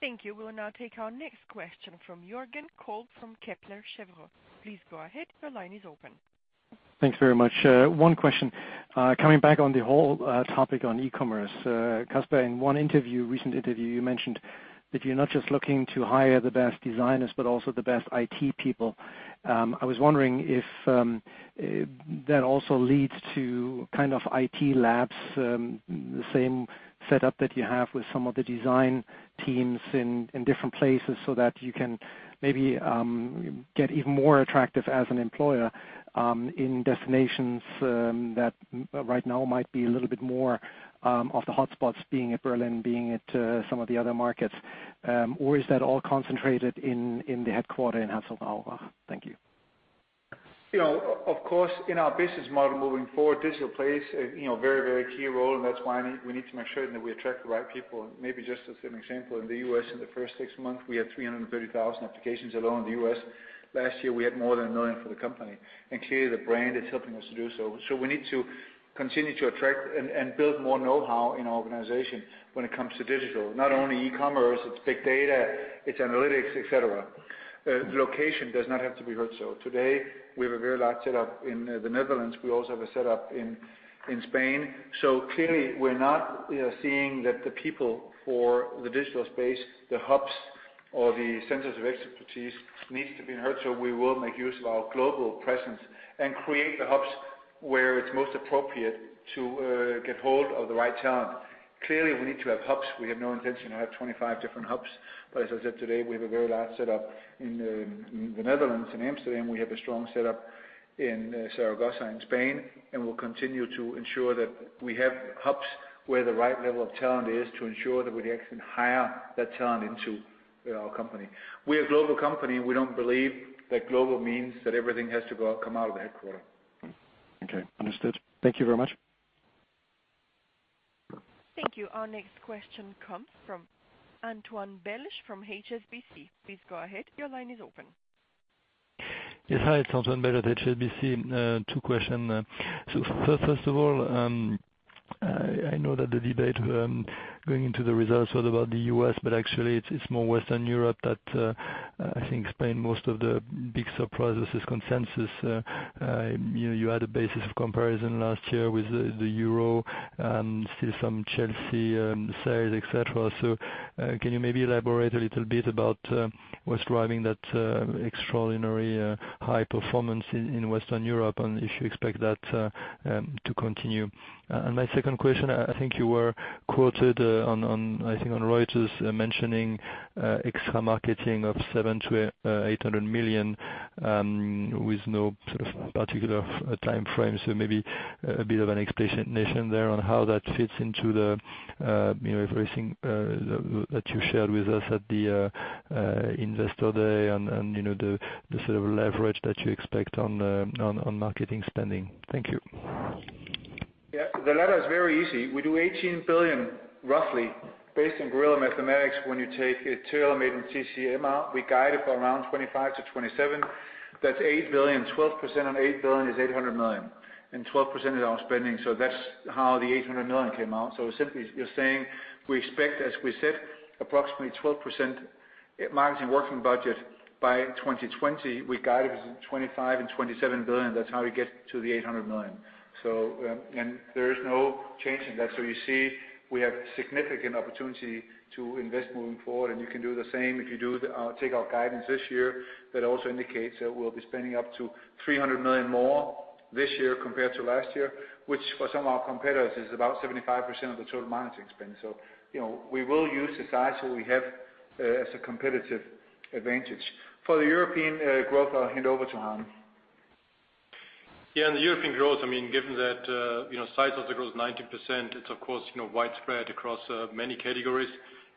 Thank you. We'll now take our next question from Jürgen Kolb from Kepler Cheuvreux. Please go ahead. Your line is open. Thanks very much. One question. Coming back on the whole topic on e-commerce. Kasper, in one recent interview, you mentioned that you're not just looking to hire the best designers, but also the best IT people. I was wondering if that also leads to kind of IT labs, the same setup that you have with some of the design teams in different places, so that you can maybe get even more attractive as an employer in destinations that right now might be a little bit more of the hotspots, being it Berlin, being it some of the other markets. Or is that all concentrated in the headquarter in Herzogenaurach? Thank you. Of course, in our business model moving forward, digital plays a very very key role, and that's why we need to make sure that we attract the right people. Maybe just as an example, in the U.S. in the first six months, we had 330,000 applications alone in the U.S. Last year, we had more than 1 million for the company. Clearly, the brand is helping us to do so. We need to continue to attract and build more know-how in our organization when it comes to digital, not only e-commerce, it's big data, it's analytics, et cetera. Location does not have to be Herzog. Today, we have a very large setup in the Netherlands. We also have a setup in Spain. Clearly, we're not seeing that the people for the digital space, the hubs or the centers of expertise needs to be in Herzog. We will make use of our global presence and create the hubs where it's most appropriate to get hold of the right talent. Clearly, we need to have hubs. We have no intention to have 25 different hubs. As I said today, we have a very large setup in the Netherlands, in Amsterdam. We have a strong setup in Zaragoza, in Spain, and we'll continue to ensure that we have hubs where the right level of talent is to ensure that we actually hire that talent into our company. We're a global company. We don't believe that global means that everything has to come out of the headquarter. Okay, understood. Thank you very much. Thank you. Our next question comes from Antoine Belge from HSBC. Please go ahead. Your line is open. Yes. Hi, it's Antoine Belge at HSBC. Two question. First of all, I know that the debate going into the results was about the U.S., but actually it's more Western Europe that I think explained most of the big surprises consensus. You had a basis of comparison last year with the euro and still some Chelsea sales, et cetera. Can you maybe elaborate a little bit about what's driving that extraordinary high performance in Western Europe and if you expect that to continue? My second question, I think you were quoted on, I think on Reuters mentioning extra marketing of 700 million-800 million, with no sort of particular timeframe. Maybe a bit of an explanation there on how that fits into everything that you shared with us at the Investor Day and the sort of leverage that you expect on marketing spending. Thank you. Yeah, the latter is very easy. We do 18 billion roughly based on guerrilla mathematics when you take TaylorMade and CCM out, we guide it for around 25 billion to 27 billion. That's 8 billion. 12% on 8 billion is 800 million, and 12% is our spending. That's how the 800 million came out. Simply you're saying we expect, as we said, approximately 12% marketing working budget by 2020. We guide it between 25 billion and 27 billion. That's how we get to the 800 million. There is no change in that. You see, we have significant opportunity to invest moving forward, and you can do the same if you take our guidance this year. That also indicates that we'll be spending up to 300 million more this year compared to last year, which for some of our competitors is about 75% of the total marketing spend. We will use the size that we have as a competitive advantage. For the European growth, I'll hand over to Harm. Yeah, in the European growth, given that size of the growth, 19%, it's of course widespread across many categories.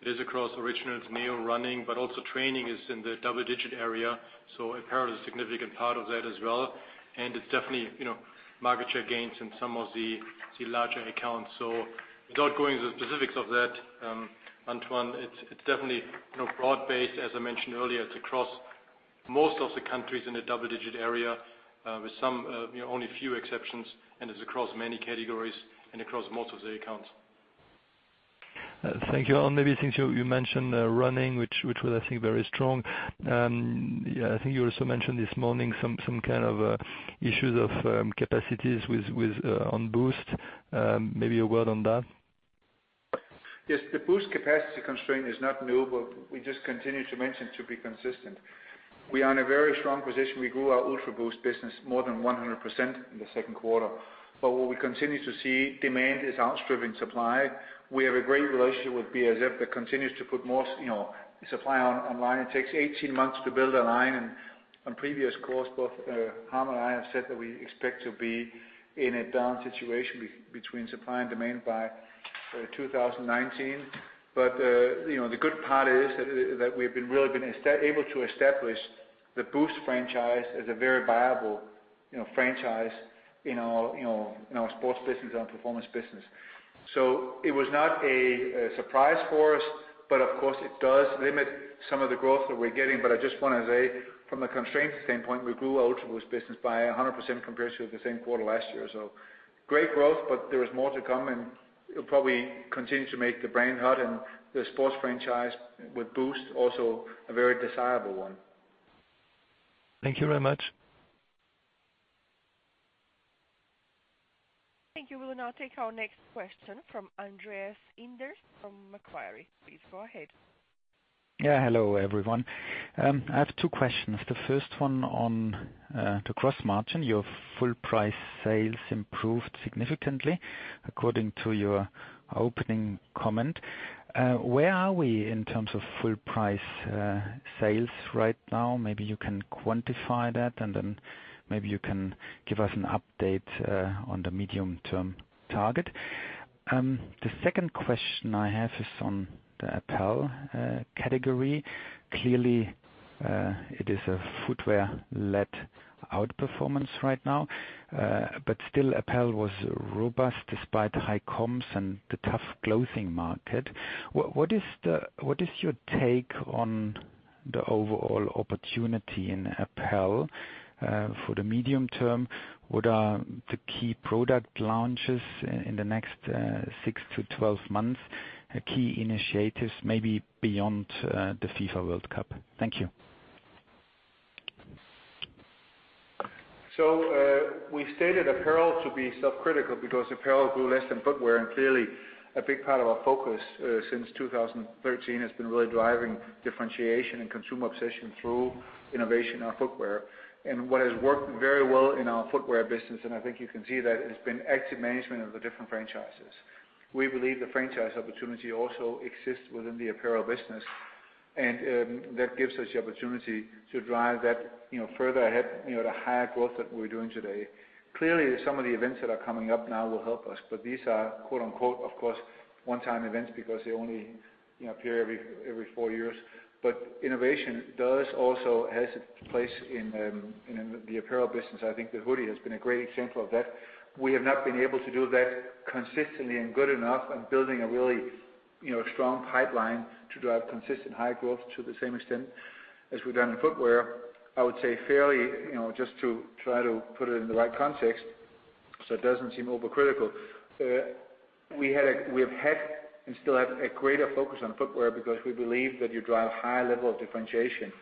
It is across Originals, Neo running, but also training is in the double-digit area, so apparel is a significant part of that as well. It's definitely market share gains in some of the larger accounts. Without going into the specifics of that, Antoine, it's definitely broad-based, as I mentioned earlier. It's across most of the countries in the double-digit area with some only few exceptions, and it's across many categories and across most of the accounts. Thank you. Maybe since you mentioned running, which was, I think, very strong. I think you also mentioned this morning some kind of issues of capacities on Boost. Maybe a word on that. The Boost capacity constraint is not new, we just continue to mention to be consistent. We are in a very strong position. We grew our UltraBOOST business more than 100% in the second quarter. What we continue to see, demand is outstripping supply. We have a great relationship with BASF that continues to put more supply online. It takes 18 months to build a line. On previous calls, both Harm and I have said that we expect to be in a down situation between supply and demand by 2019. The good part is that we've really been able to establish the Boost franchise as a very viable franchise in our sports business, our performance business. It was not a surprise for us, but of course it does limit some of the growth that we're getting. I just want to say from a constraint standpoint, we grew our UltraBOOST business by 100% compared to the same quarter last year. Great growth, but there is more to come, and it'll probably continue to make the brand hot and the sports franchise with Boost also a very desirable one. Thank you very much. Thank you. We'll now take our next question from Andreas Inderst from Macquarie. Please go ahead. Yeah. Hello, everyone. I have 2 questions. The first one on the gross margin. Your full price sales improved significantly according to your opening comment. Where are we in terms of full price sales right now? Maybe you can quantify that, and then give us an update on the medium-term target. The second question I have is on the apparel category. Clearly, it is a footwear-led outperformance right now. Still apparel was robust despite the high comps and the tough clothing market. What is your take on the overall opportunity in apparel for the medium term? What are the key product launches in the next 6-12 months? Key initiatives, maybe beyond the FIFA World Cup. Thank you. We stated apparel to be subcritical because apparel grew less than footwear, and clearly a big part of our focus since 2013 has been really driving differentiation and consumer obsession through innovation on footwear. What has worked very well in our footwear business, and I think you can see that, has been active management of the different franchises. We believe the franchise opportunity also exists within the apparel business, and that gives us the opportunity to drive that further ahead, the higher growth that we're doing today. Clearly, some of the events that are coming up now will help us, but these are quote unquote, of course, one-time events because they only appear every four years. Innovation does also has its place in the apparel business. I think the hoodie has been a great example of that. We have not been able to do that consistently and good enough and building a really strong pipeline to drive consistent high growth to the same extent as we've done in footwear. I would say fairly, just to try to put it in the right context so it doesn't seem overcritical. We've had and still have a greater focus on footwear because we believe that you drive higher level of differentiation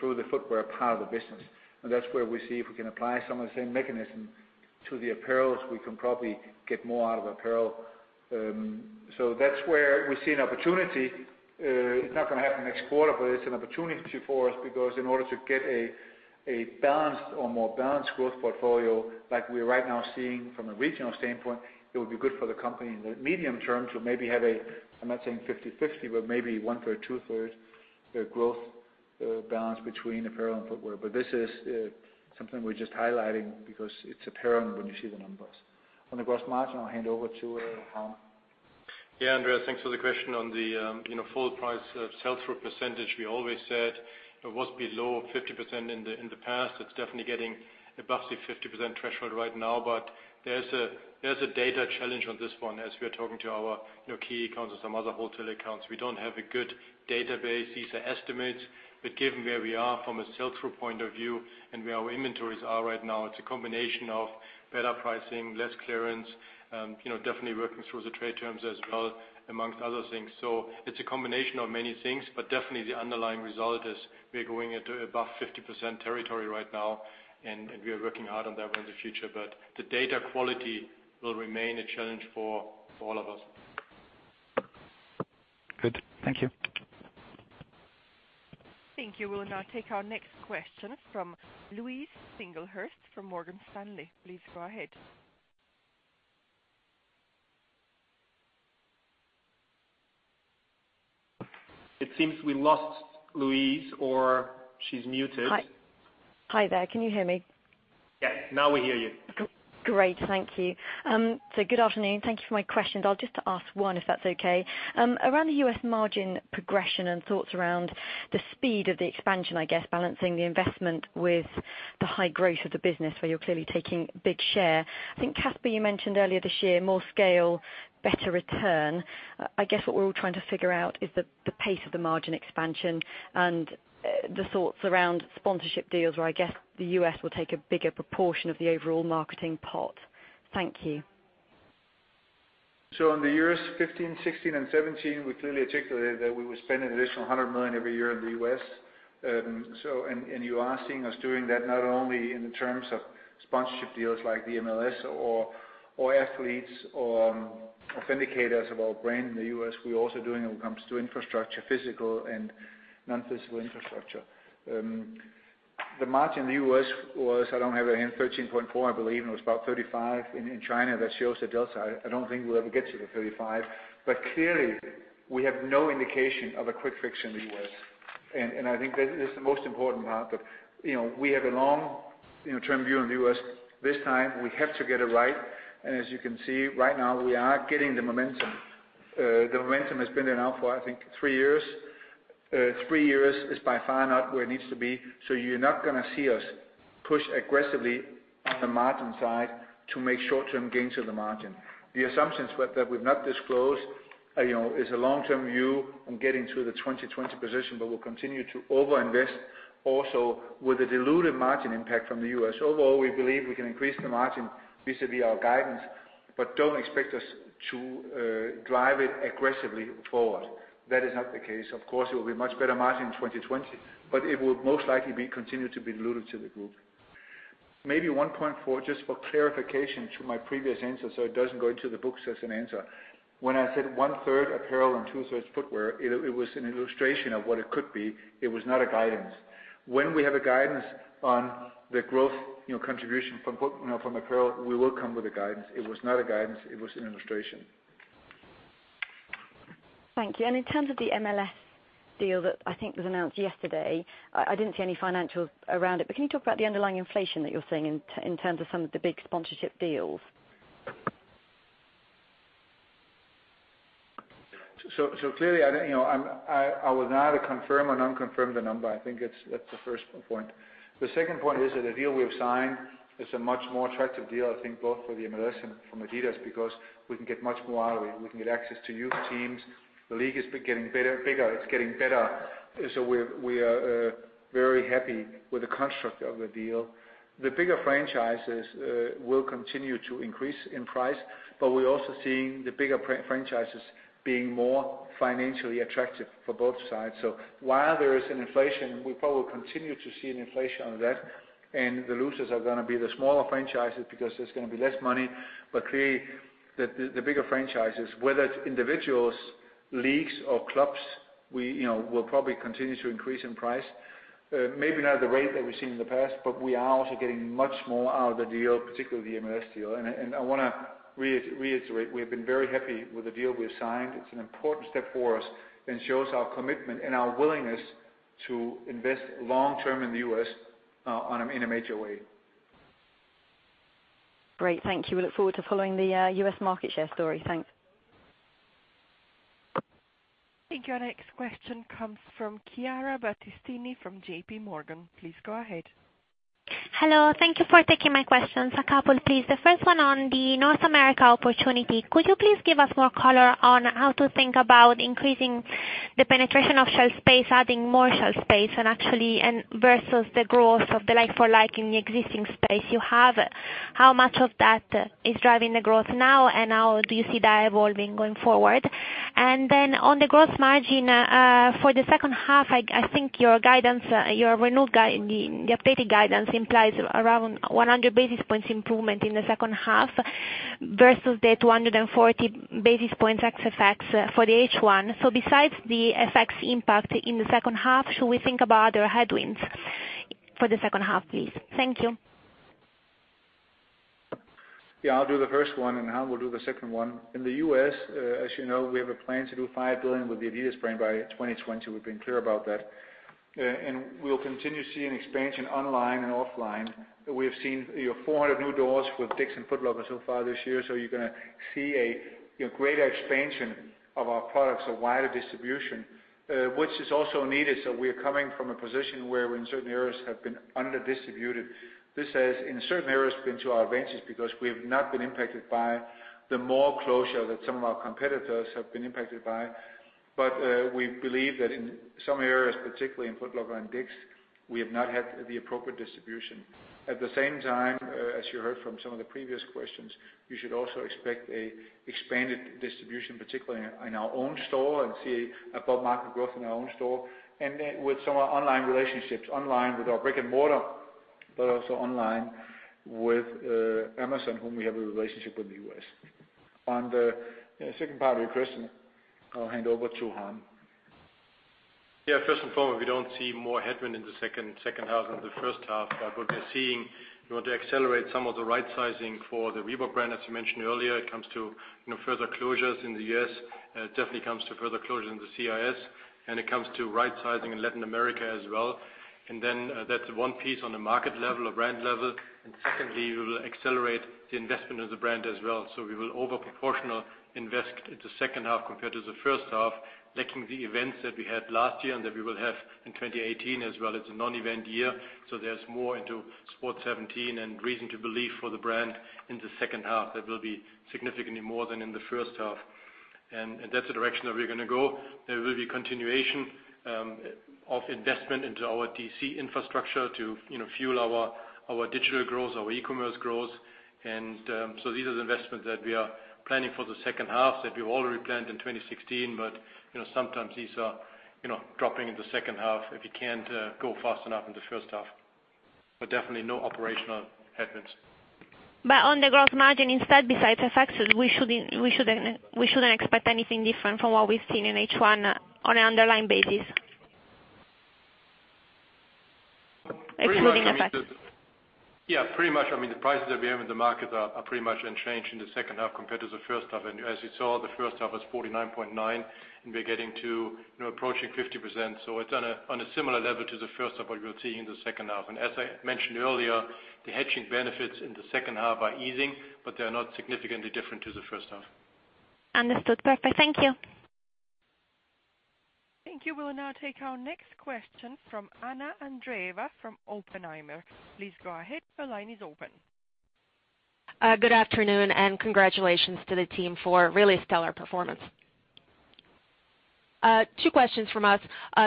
through the footwear part of the business. That's where we see if we can apply some of the same mechanism to the apparels, we can probably get more out of apparel. That's where we see an opportunity. It's not going to happen next quarter, but it's an opportunity for us because in order to get a balanced or more balanced growth portfolio like we're right now seeing from a regional standpoint, it would be good for the company in the medium term to maybe have a, I'm not saying 50/50, but maybe one third, two third growth balance between apparel and footwear. This is something we're just highlighting because it's apparent when you see the numbers. On the gross margin, I'll hand over to Harm. Andreas, thanks for the question. On the full price sell-through %, we always said it was below 50% in the past. It's definitely getting above the 50% threshold right now. There's a data challenge on this one. As we are talking to our key accounts and some other wholesale accounts, we don't have a good database. These are estimates. Given where we are from a sell-through point of view and where our inventories are right now, it's a combination of better pricing, less clearance, definitely working through the trade terms as well amongst other things. It's a combination of many things, but definitely the underlying result is we're going into above 50% territory right now, and we are working hard on that one in the future. The data quality will remain a challenge for all of us. Good. Thank you. Thank you. We'll now take our next question from Louise Singlehurst from Morgan Stanley. Please go ahead. It seems we lost Louise or she's muted. Hi there. Can you hear me? Yes. Now we hear you. Great. Thank you. Good afternoon. Thank you for my questions. I'll just ask one if that's okay. Around the U.S. margin progression and thoughts around the speed of the expansion, I guess balancing the investment with the high growth of the business where you're clearly taking big share. I think Kasper, you mentioned earlier this year, more scale, better return. I guess what we're all trying to figure out is the pace of the margin expansion and the thoughts around sponsorship deals, where I guess the U.S. will take a bigger proportion of the overall marketing pot. Thank you. In the years 2015, 2016, and 2017, we clearly articulated that we would spend an additional 100 million every year in the U.S. You are seeing us doing that not only in terms of sponsorship deals like the MLS or athletes or authenticators of our brand in the U.S., we're also doing it when it comes to infrastructure, physical and non-physical infrastructure. The margin in the U.S. was, I don't have it here, 13.4% I believe, and it was about 35% in China. That shows the delta. I don't think we'll ever get to the 35%. Clearly, we have no indication of a quick fix in the U.S., and I think that is the most important part. We have a long-term view in the U.S. This time, we have to get it right, and as you can see right now, we are getting the momentum. The momentum has been there now for, I think, three years. Three years is by far not where it needs to be. You're not going to see us push aggressively on the margin side to make short-term gains on the margin. The assumptions that we've not disclosed is a long-term view on getting to the 2020 position, but we'll continue to over-invest also with the diluted margin impact from the U.S. Overall, we believe we can increase the margin vis-à-vis our guidance, but don't expect us to drive it aggressively forward. That is not the case. Of course, it will be much better margin in 2020, but it will most likely continue to be diluted to the group. Maybe one point for just for clarification to my previous answer so it doesn't go into the books as an answer. When I said one-third apparel and two-thirds footwear, it was an illustration of what it could be. It was not a guidance. When we have a guidance on the growth contribution from apparel, we will come with a guidance. It was not a guidance. It was an illustration. Thank you. In terms of the MLS deal that I think was announced yesterday, I didn't see any financials around it. Can you talk about the underlying inflation that you're seeing in terms of some of the big sponsorship deals? Clearly, I will neither confirm or un-confirm the number. I think that's the first point. The second point is that the deal we have signed is a much more attractive deal, I think, both for the MLS and for adidas, because we can get much more out of it. We can get access to youth teams. The league is getting bigger. It's getting better. We are very happy with the construct of the deal. The bigger franchises will continue to increase in price, we're also seeing the bigger franchises being more financially attractive for both sides. While there is an inflation, we probably will continue to see an inflation on that, and the losers are going to be the smaller franchises because there's going to be less money. Clearly, the bigger franchises, whether it's individuals, leagues, or clubs, we'll probably continue to increase in price. Maybe not at the rate that we've seen in the past, but we are also getting much more out of the deal, particularly the MLS deal. I want to reiterate, we have been very happy with the deal we have signed. It's an important step for us and shows our commitment and our willingness to invest long-term in the U.S. in a major way. Great. Thank you. We look forward to following the U.S. market share story. Thanks. I think your next question comes from Chiara Battistini from JPMorgan. Please go ahead. Hello. Thank you for taking my questions. A couple, please. The first one on the North America opportunity. Could you please give us more color on how to think about increasing the penetration of shelf space, adding more shelf space, actually versus the growth of the like for like in the existing space you have? How much of that is driving the growth now, and how do you see that evolving going forward? Then on the growth margin for the second half, I think your updated guidance implies around 100 basis points improvement in the second half versus the 240 basis points ex-FX for the H1. Besides the ex-FX impact in the second half, should we think about other headwinds for the second half, please? Thank you. I'll do the first one, Harm will do the second one. In the U.S., as you know, we have a plan to do 5 billion with the adidas brand by 2020. We've been clear about that. We'll continue seeing expansion online and offline. We have seen 400 new doors with DICK'S and Foot Locker so far this year. You're going to see a greater expansion of our products, a wider distribution, which is also needed. We're coming from a position where in certain areas have been under-distributed. This has, in certain areas, been to our advantage because we have not been impacted by the mall closure that some of our competitors have been impacted by. We believe that in some areas, particularly in Foot Locker and DICK'S, we have not had the appropriate distribution. At the same time, as you heard from some of the previous questions, you should also expect an expanded distribution, particularly in our own store, and see above-market growth in our own store. With some of our online relationships, online with our brick and mortar, but also online with Amazon, whom we have a relationship with in the U.S. On the second part of your question, I'll hand over to Harm. Yeah, first and foremost, we don't see more headwind in the second half than the first half. We're seeing, to accelerate some of the right sizing for the Reebok brand, as you mentioned earlier, it comes to further closures in the U.S. It definitely comes to further closures in the CIS, and it comes to right sizing in Latin America as well. That's one piece on the market level or brand level. Secondly, we will accelerate the investment as a brand as well. We will over proportional invest in the second half compared to the first half, lacking the events that we had last year and that we will have in 2018 as well. It's a non-event year, there's more into Sport 17 and reason to believe for the brand in the second half that will be significantly more than in the first half. That's the direction that we're going to go. There will be continuation of investment into our DC infrastructure to fuel our digital growth, our e-commerce growth. These are the investments that we are planning for the second half, that we've already planned in 2016. Sometimes these are dropping in the second half if you can't go fast enough in the first half, definitely no operational headwinds. On the gross margin, instead, besides FX, we shouldn't expect anything different from what we've seen in H1 on an underlying basis? Excluding FX. Yeah, pretty much. I mean, the prices that we have in the market are pretty much unchanged in the second half compared to the first half. As you saw, the first half was 49.9%, and we're getting to approaching 50%. It's on a similar level to the first half of what you're seeing in the second half. As I mentioned earlier, the hedging benefits in the second half are easing, but they are not significantly different to the first half. Understood. Perfect. Thank you. Thank you. We'll now take our next question from Anna Andreeva from Oppenheimer. Please go ahead. Your line is open. Good afternoon. Congratulations to the team for really stellar performance. Two questions from us.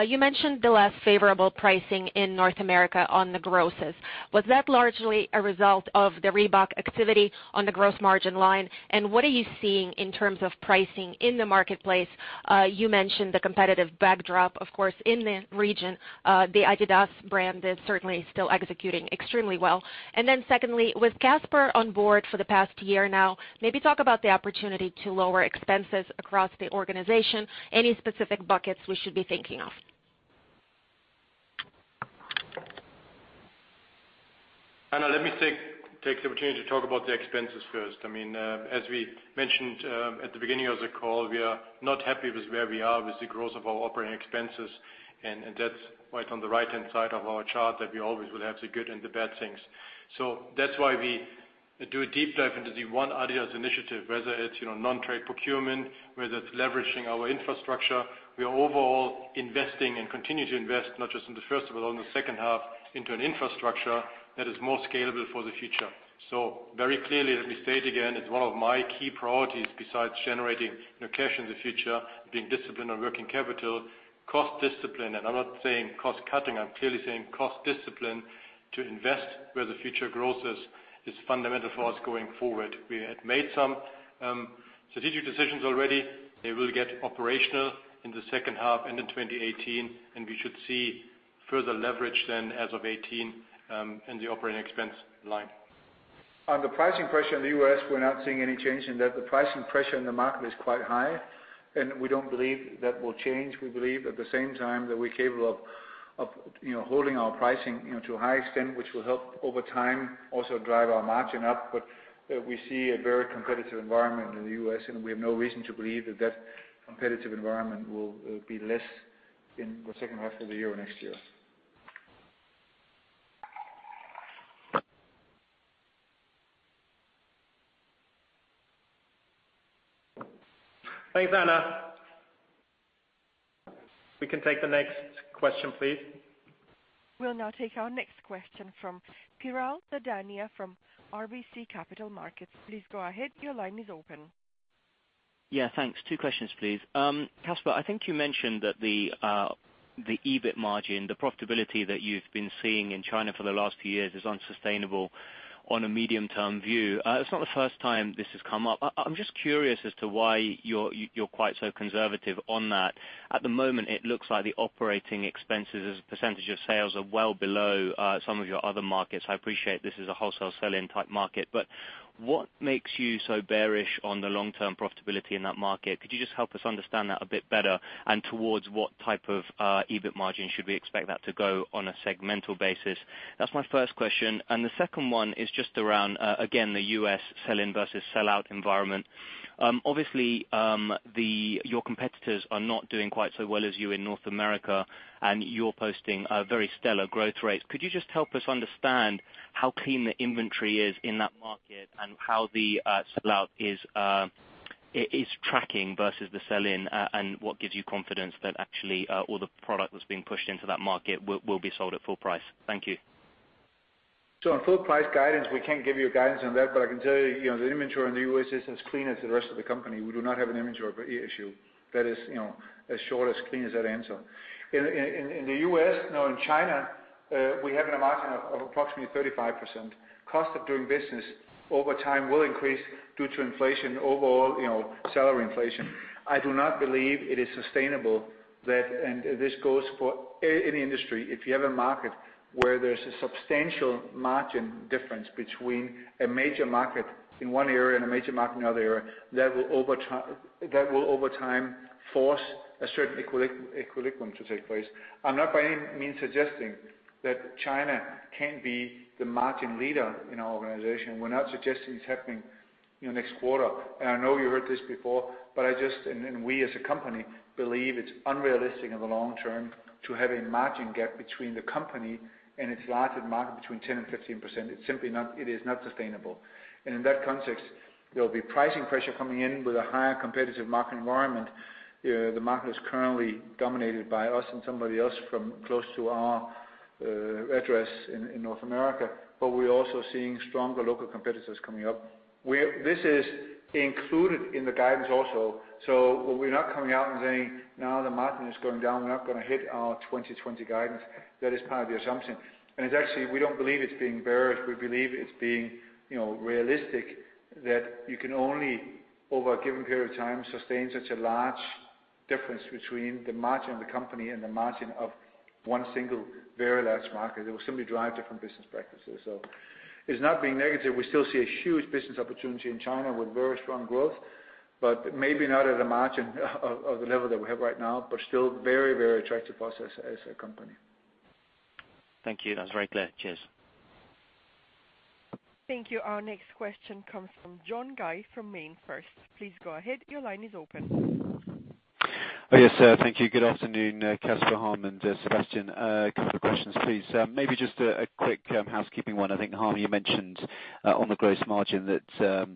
You mentioned the less favorable pricing in North America on the grosses. Was that largely a result of the Reebok activity on the gross margin line, and what are you seeing in terms of pricing in the marketplace? You mentioned the competitive backdrop, of course, in the region. The adidas brand is certainly still executing extremely well. Secondly, with Kasper on board for the past year now, maybe talk about the opportunity to lower expenses across the organization. Any specific buckets we should be thinking of? Anna, let me take the opportunity to talk about the expenses first. As we mentioned at the beginning of the call, we are not happy with where we are with the growth of our operating expenses, that's why it's on the right-hand side of our chart, that we always will have the good and the bad things. That's why we do a deep dive into the ONE adidas initiative, whether it's non-trade procurement, whether it's leveraging our infrastructure. We are overall investing and continue to invest, not just in the first but on the second half, into an infrastructure that is more scalable for the future. Very clearly, let me state again, it's one of my key priorities, besides generating cash in the future, being disciplined on working capital, cost discipline. I'm not saying cost cutting, I'm clearly saying cost discipline to invest where the future growth is fundamental for us going forward. We had made some strategic decisions already. They will get operational in the second half and in 2018, we should see further leverage then as of 2018 in the operating expense line. On the pricing pressure in the U.S., we're not seeing any change in that. The pricing pressure in the market is quite high, we don't believe that will change. We believe at the same time that we're capable of holding our pricing to a high extent, which will help over time also drive our margin up. We see a very competitive environment in the U.S., we have no reason to believe that competitive environment will be less in the second half of the year or next year. Thanks, Anna. We can take the next question, please. We'll now take our next question from Piral Dadhania from RBC Capital Markets. Please go ahead. Your line is open. Yeah, thanks. two questions, please. Kasper, I think you mentioned that the EBIT margin, the profitability that you've been seeing in China for the last few years is unsustainable on a medium-term view. It's not the first time this has come up. I'm just curious as to why you're quite so conservative on that. At the moment, it looks like the operating expenses as a percentage of sales are well below some of your other markets. I appreciate this is a wholesale sell-in type market, but what makes you so bearish on the long-term profitability in that market? Could you just help us understand that a bit better? Towards what type of EBIT margin should we expect that to go on a segmental basis? That's my first question. The second one is just around, again, the U.S. sell-in versus sell-out environment. Obviously, your competitors are not doing quite so well as you in North America. You're posting very stellar growth rates. Could you just help us understand how clean the inventory is in that market and how the sell-out is tracking versus the sell-in? What gives you confidence that actually all the product that's being pushed into that market will be sold at full price? Thank you. On full price guidance, we can't give you guidance on that, but I can tell you the inventory in the U.S. is as clean as the rest of the company. We do not have an inventory issue. That is as short, as clean as that answer. In the U.S., no, in China, we have a margin of approximately 35%. Cost of doing business over time will increase due to inflation overall, salary inflation. I do not believe it is sustainable that, and this goes for any industry, if you have a market where there's a substantial margin difference between a major market in one area and a major market in another area, that will, over time, force a certain equilibrium to take place. I'm not by any means suggesting that China can be the margin leader in our organization. We're not suggesting it's happening Next quarter, and I know you heard this before, but we as a company believe it's unrealistic in the long term to have a margin gap between the company and its largest market between 10% and 15%. It is not sustainable. In that context, there'll be pricing pressure coming in with a higher competitive market environment. The market is currently dominated by us and somebody else from close to our address in North America, but we're also seeing stronger local competitors coming up. This is included in the guidance also, so we're not coming out and saying, "Now the margin is going down, we're not going to hit our 2020 guidance." That is part of the assumption. Actually, we don't believe it's being bearish. We believe it's being realistic that you can only, over a given period of time, sustain such a large difference between the margin of the company and the margin of one single very large market. It will simply drive different business practices. It's not being negative. We still see a huge business opportunity in China with very strong growth, but maybe not at a margin of the level that we have right now, but still very attractive for us as a company. Thank you. That was very clear. Cheers. Thank you. Our next question comes from John Guy from MainFirst. Please go ahead. Your line is open. Yes, thank you. Good afternoon, Kasper, Harm, and Sebastian. A couple of questions, please. Maybe just a quick housekeeping one. I think, Harm, you mentioned on the gross margin that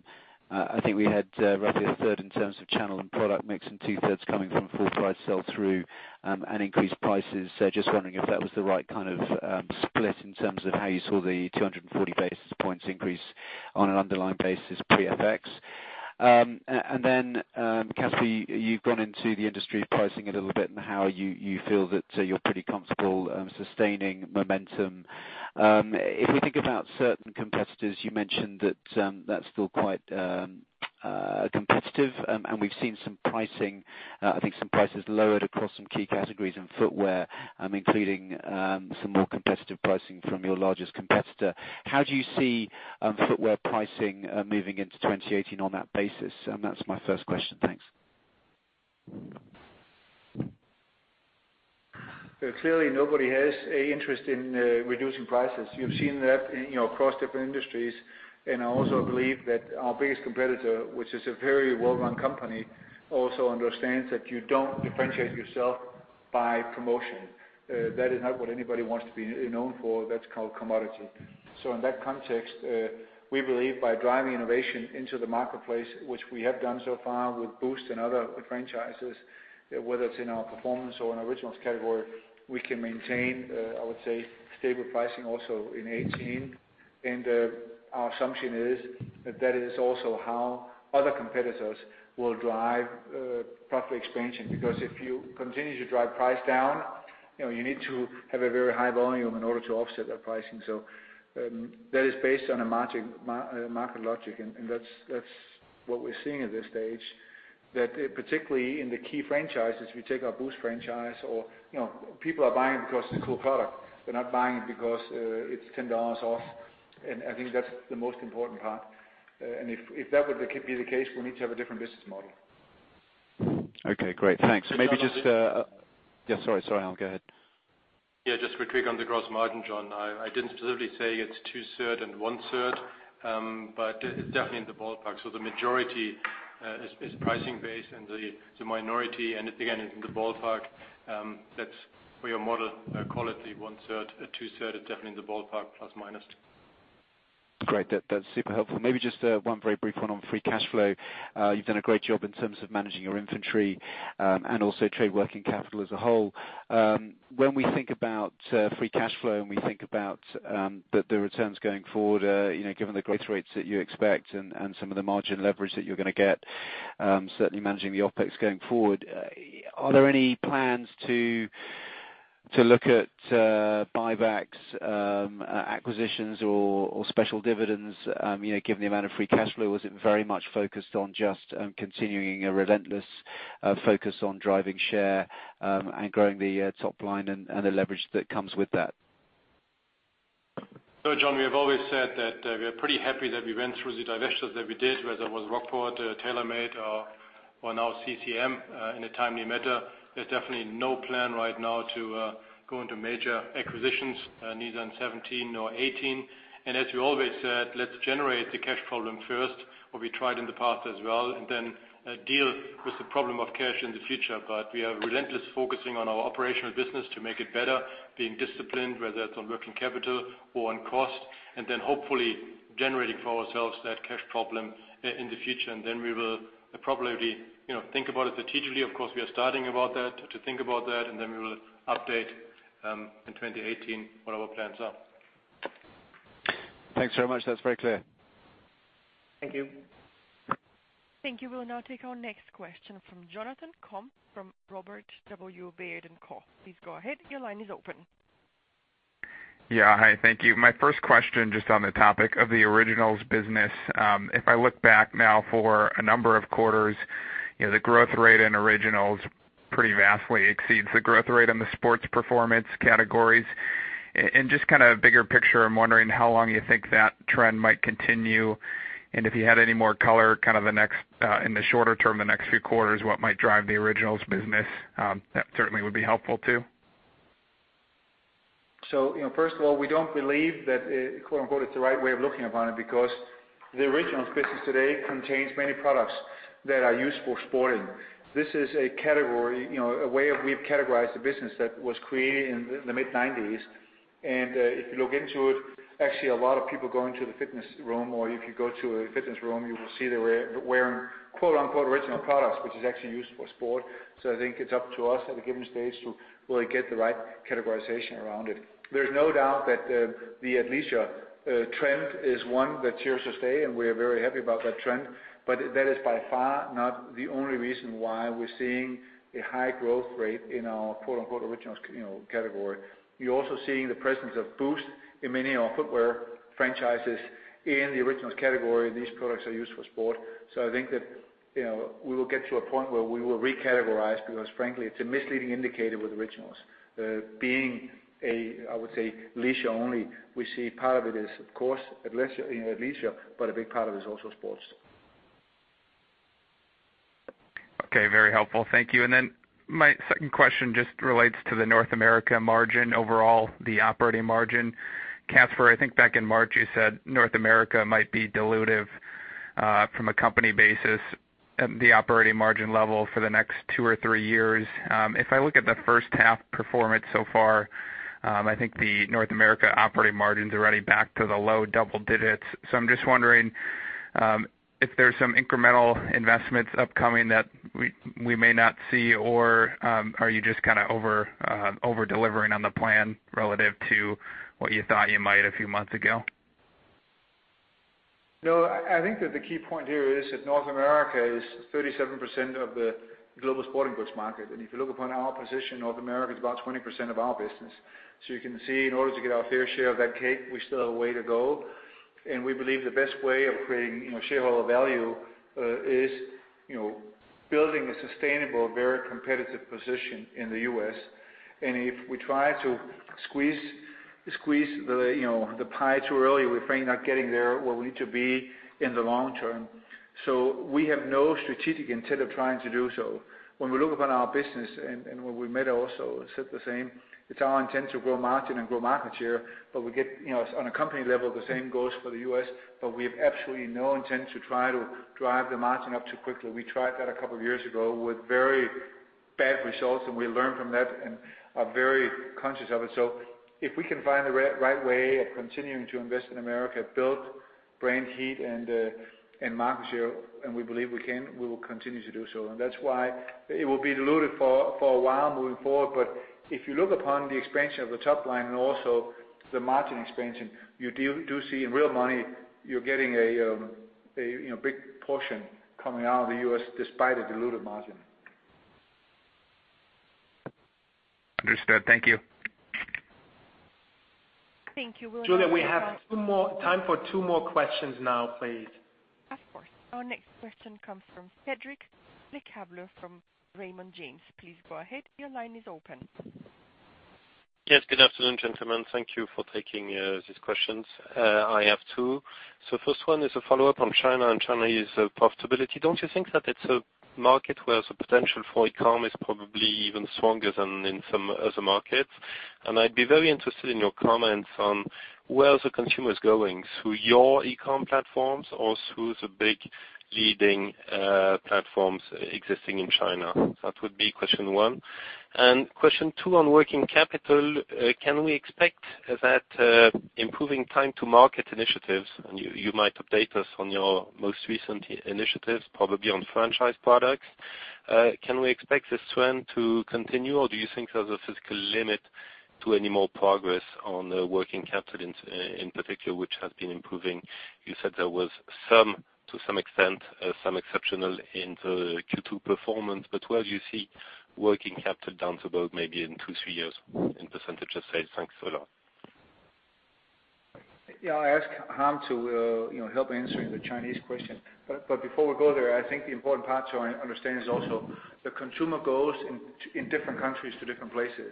I think we had roughly a third in terms of channel and product mix and two-thirds coming from full price sell through and increased prices. Just wondering if that was the right kind of split in terms of how you saw the 240 basis points increase on an underlying basis pre-FX. Then Kasper, you've gone into the industry pricing a little bit and how you feel that you're pretty comfortable sustaining momentum. If we think about certain competitors, you mentioned that that's still quite competitive, and we've seen some pricing, I think some prices lowered across some key categories in footwear, including some more competitive pricing from your largest competitor. How do you see footwear pricing moving into 2018 on that basis? That's my first question. Thanks. Clearly, nobody has a interest in reducing prices. You've seen that across different industries, and I also believe that our biggest competitor, which is a very well-run company, also understands that you don't differentiate yourself by promotion. That is not what anybody wants to be known for. That's called commodity. In that context, we believe by driving innovation into the marketplace, which we have done so far with Boost and other franchises, whether it's in our performance or in Originals category, we can maintain, I would say, stable pricing also in 2018. Our assumption is that is also how other competitors will drive profit expansion. If you continue to drive price down, you need to have a very high volume in order to offset that pricing. That is based on a market logic, and that's what we're seeing at this stage. In the key franchises, we take our Boost franchise, or people are buying it because it's a cool product. They're not buying it because it's EUR 10 off. I think that's the most important part. If that would be the case, we'll need to have a different business model. Okay, great. Thanks. Maybe just. Yeah, sorry. Go ahead. Yeah, just quickly on the gross margin, John. I didn't specifically say it's two-third and one-third, but it's definitely in the ballpark. The majority is pricing base and the minority, and again, it's in the ballpark, that's for your model quality, one-third, two-third is definitely in the ballpark, plus, minus. Great. That's super helpful. Maybe just one very brief one on free cash flow. You've done a great job in terms of managing your inventory, and also trade working capital as a whole. We think about free cash flow, and we think about the returns going forward, given the growth rates that you expect and some of the margin leverage that you're going to get, certainly managing the OpEx going forward, are there any plans to look at buybacks, acquisitions or special dividends? Given the amount of free cash flow, was it very much focused on just continuing a relentless focus on driving share, and growing the top line and the leverage that comes with that? John, we have always said that we are pretty happy that we went through the divestitures that we did, whether it was Rockport, TaylorMade, or now CCM, in a timely manner. There's definitely no plan right now to go into major acquisitions, neither in 2017 nor 2018. As we always said, let's generate the cash problem first, what we tried in the past as well, and then deal with the problem of cash in the future. We are relentlessly focusing on our operational business to make it better, being disciplined, whether that's on working capital or on cost, and then hopefully generating for ourselves that cash problem in the future. Then we will probably think about it strategically. Of course, we are starting to think about that, then we will update in 2018 what our plans are. Thanks very much. That's very clear. Thank you. Thank you. We'll now take our next question from Jonathan Komp from Robert W. Baird & Co. Please go ahead. Your line is open. Yeah. Hi, thank you. My first question, just on the topic of the Originals business. If I look back now for a number of quarters, the growth rate in Originals pretty vastly exceeds the growth rate on the sports performance categories. Just kind of bigger picture, I'm wondering how long you think that trend might continue, and if you had any more color, in the shorter term, the next few quarters, what might drive the Originals business? That certainly would be helpful, too. First of all, we don't believe that, quote unquote, "It's the right way of looking upon it" because the Originals business today contains many products that are used for sporting. This is a category, a way we've categorized the business that was created in the mid-'90s. If you look into it, actually, a lot of people go into the fitness room, or if you go to a fitness room, you will see they're wearing, quote unquote, "Original products," which is actually used for sport. I think it's up to us at a given stage to really get the right categorization around it. There's no doubt that the athleisure trend is one that's here to stay, and we're very happy about that trend. That is by far not the only reason why we're seeing a high growth rate in our, quote unquote, "Originals category." You're also seeing the presence of Boost in many of our footwear franchises in the Originals category. These products are used for sport. I think that we will get to a point where we will recategorize, because frankly, it's a misleading indicator with Originals. Being a, I would say, leisure only, we see part of it is, of course, athleisure, but a big part of it is also sports. Okay. Very helpful. Thank you. My second question just relates to the North America margin overall, the operating margin. Kasper, I think back in March, you said North America might be dilutive from a company basis, the operating margin level for the next two or three years. If I look at the first half performance so far, I think the North America operating margin's already back to the low double digits. I'm just wondering if there's some incremental investments upcoming that we may not see, or are you just kind of over-delivering on the plan relative to what you thought you might a few months ago? I think that the key point here is that North America is 37% of the global sporting goods market. If you look upon our position, North America is about 20% of our business. You can see, in order to get our fair share of that cake, we still have a way to go. We believe the best way of creating shareholder value is building a sustainable, very competitive position in the U.S. If we try to squeeze the pie too early, we're afraid not getting there where we need to be in the long term. We have no strategic intent of trying to do so. When we look upon our business, and when we met also, said the same, it's our intent to grow margin and grow market share. We get, on a company level, the same goes for the U.S., but we have absolutely no intent to try to drive the margin up too quickly. We tried that a couple of years ago with very bad results, and we learned from that and are very conscious of it. If we can find the right way of continuing to invest in America, build brand heat and market share, and we believe we can, we will continue to do so. That's why it will be diluted for a while moving forward. If you look upon the expansion of the top line and also the margin expansion, you do see in real money, you're getting a big portion coming out of the U.S. despite a diluted margin. Understood. Thank you. Thank you. We'll now move on. Julia, we have time for two more questions now, please. Of course. Our next question comes from Cédric Lecasble from Raymond James. Please go ahead. Your line is open. Yes. Good afternoon, gentlemen. Thank you for taking these questions. I have two. First one is a follow-up on China, and China's profitability. Don't you think that it's a market where the potential for e-com is probably even stronger than in some other markets? I'd be very interested in your comments on where the consumer's going, through your e-com platforms or through the big leading platforms existing in China? That would be question one. Question two on working capital, can we expect that improving time to market initiatives, and you might update us on your most recent initiatives, probably on franchise products. Can we expect this trend to continue, or do you think there's a physical limit to any more progress on working capital in particular, which has been improving? You said there was to some extent, some exceptional in the Q2 performance, where do you see working capital down to about maybe in two, three years in percentage of sales? Thanks a lot. I'll ask Harm to help answer the Chinese question. Before we go there, I think the important part to understand is also the consumer goes in different countries to different places.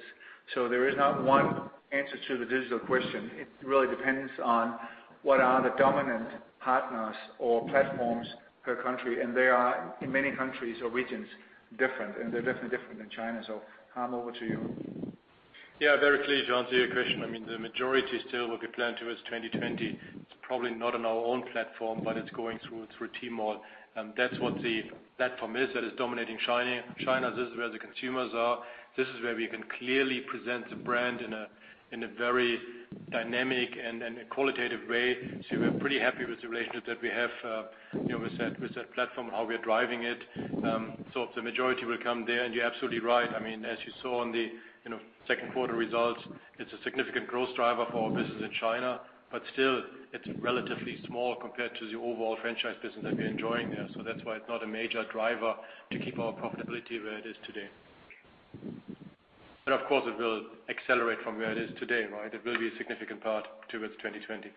There is not one answer to the digital question. It really depends on what are the dominant partners or platforms per country. They are, in many countries or regions, different, and they're definitely different than China. Harm, over to you. Very pleased to answer your question. I mean, the majority still will be planned towards 2020. It's probably not on our own platform, but it's going through Tmall. That's what the platform is that is dominating China. This is where the consumers are. This is where we can clearly present the brand in a very dynamic and a qualitative way. We're pretty happy with the relationship that we have with that platform and how we are driving it. The majority will come there, and you're absolutely right. I mean, as you saw on the second quarter results, it's a significant growth driver for our business in China, but still, it's relatively small compared to the overall franchise business that we're enjoying there. That's why it's not a major driver to keep our profitability where it is today. Of course, it will accelerate from where it is today, right? It will be a significant part towards 2020.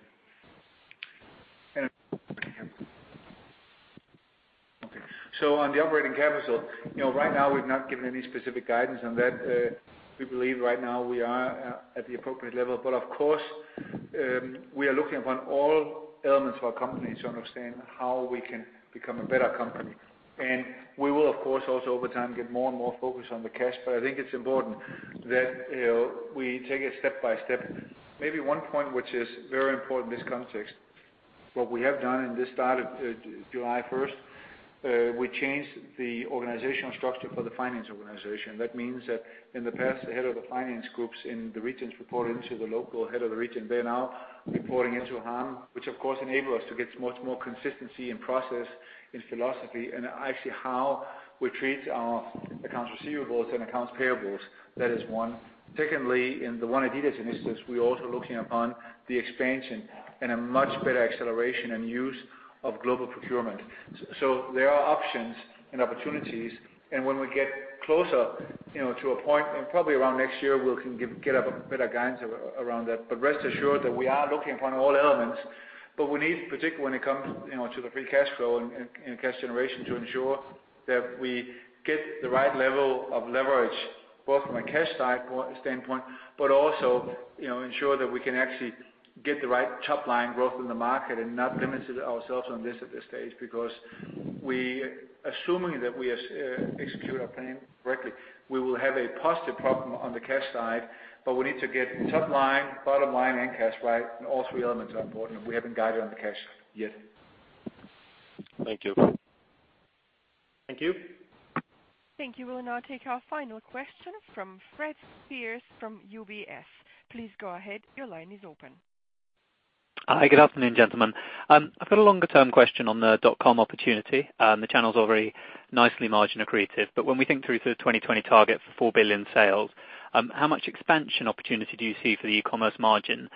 Okay. On the operating capital. Right now, we've not given any specific guidance on that. We believe right now we are at the appropriate level. Of course, we are looking upon all elements of our company to understand how we can become a better company. We will, of course, also over time, get more and more focused on the cash. I think it's important that we take it step by step. What we have done in the start of July 1st, we changed the organizational structure for the finance organization. That means that in the past, the head of the finance groups in the regions report into the local head of the region. They're now reporting into Harm, which of course enable us to get much more consistency in process, in philosophy, and actually how we treat our accounts receivables and accounts payables. That is one. Secondly, in the ONE adidas initiatives, we're also looking upon the expansion and a much better acceleration and use of global procurement. There are options and opportunities, and when we get closer to a point, and probably around next year, we can get a better guidance around that. Rest assured that we are looking upon all elements. We need, particularly when it comes to the free cash flow and cash generation, to ensure that we get the right level of leverage, both from a cash standpoint, but also ensure that we can actually get the right top-line growth in the market and not limit ourselves on this at this stage. Because assuming that we execute our plan correctly, we will have a positive problem on the cash side, but we need to get top line, bottom line and cash right, and all three elements are important, and we haven't guided on the cash yet. Thank you. Thank you. Thank you. We'll now take our final question from Fred Speirs from UBS. Please go ahead. Your line is open. Hi. Good afternoon, gentlemen. I've got a longer-term question on the .com opportunity. The channel's already nicely margin accretive, but when we think through to the 2020 target for 4 billion sales, how much expansion opportunity do you see for the e-commerce margin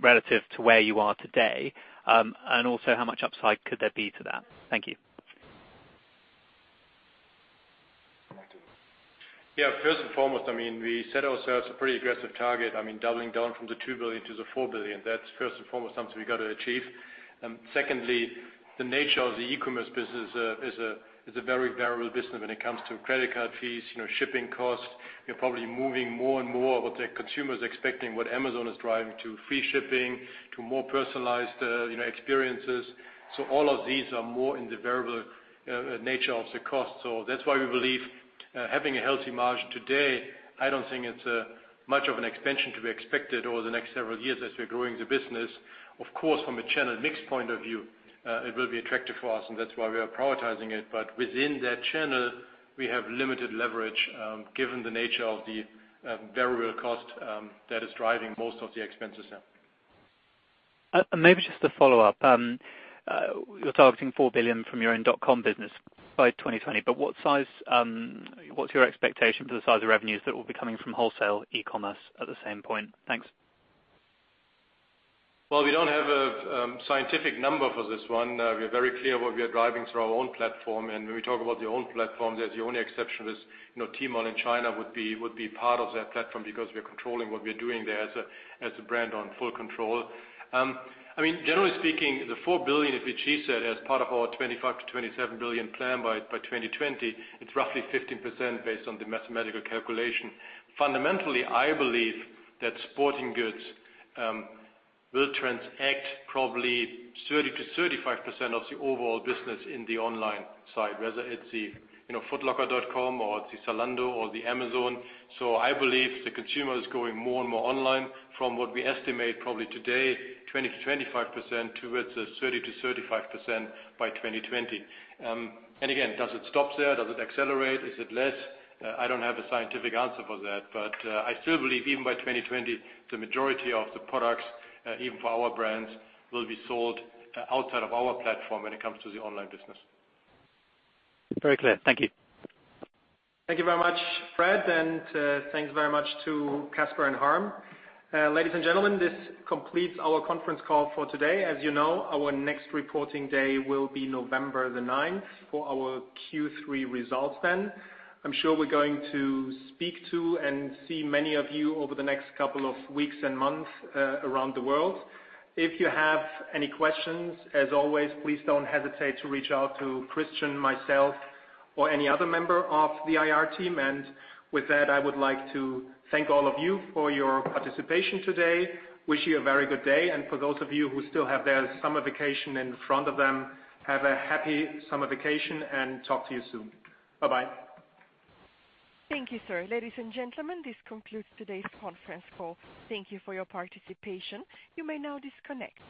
relative to where you are today? Also, how much upside could there be to that? Thank you. Matthias. Yeah, first and foremost, we set ourselves a pretty aggressive target. I mean, doubling down from the 2 billion to the 4 billion, that's first and foremost something we got to achieve. Secondly, the nature of the e-commerce business is a very variable business when it comes to credit card fees, shipping costs. You're probably moving more and more what the consumer is expecting, what Amazon is driving to free shipping, to more personalized experiences. All of these are more in the variable nature of the cost. That's why we believe having a healthy margin today, I don't think it's much of an expansion to be expected over the next several years as we're growing the business. Of course, from a channel mix point of view, it will be attractive for us and that's why we are prioritizing it. Within that channel, we have limited leverage given the nature of the variable cost that is driving most of the expenses now. Maybe just a follow-up. You're targeting 4 billion from your own .com business by 2020. What's your expectation for the size of revenues that will be coming from wholesale e-commerce at the same point? Thanks. Well, we don't have a scientific number for this one. We're very clear what we are driving through our own platform. When we talk about the own platform, the only exception is Tmall in China would be part of that platform because we're controlling what we're doing there as a brand on full control. Generally speaking, the 4 billion, if achieved, as part of our 25 billion-27 billion plan by 2020, it's roughly 15% based on the mathematical calculation. Fundamentally, I believe that sporting goods will transact probably 30%-35% of the overall business in the online side, whether it's the footlocker.com or it's the Zalando or the Amazon. I believe the consumer is going more and more online from what we estimate probably today, 20%-25% towards the 30%-35% by 2020. Again, does it stop there? Does it accelerate? Is it less? I don't have a scientific answer for that. I still believe even by 2020, the majority of the products even for our brands will be sold outside of our platform when it comes to the online business. Very clear. Thank you. Thank you very much, Fred, and thanks very much to Kasper and Harm. Ladies and gentlemen, this completes our conference call for today. As you know, our next reporting day will be November the 9th for our Q3 results then. I'm sure we're going to speak to and see many of you over the next couple of weeks and months around the world. If you have any questions, as always, please don't hesitate to reach out to Christian, myself, or any other member of the IR team. With that, I would like to thank all of you for your participation today. Wish you a very good day, and for those of you who still have their summer vacation in front of them, have a happy summer vacation and talk to you soon. Bye-bye. Thank you, sir. Ladies and gentlemen, this concludes today's conference call. Thank you for your participation. You may now disconnect.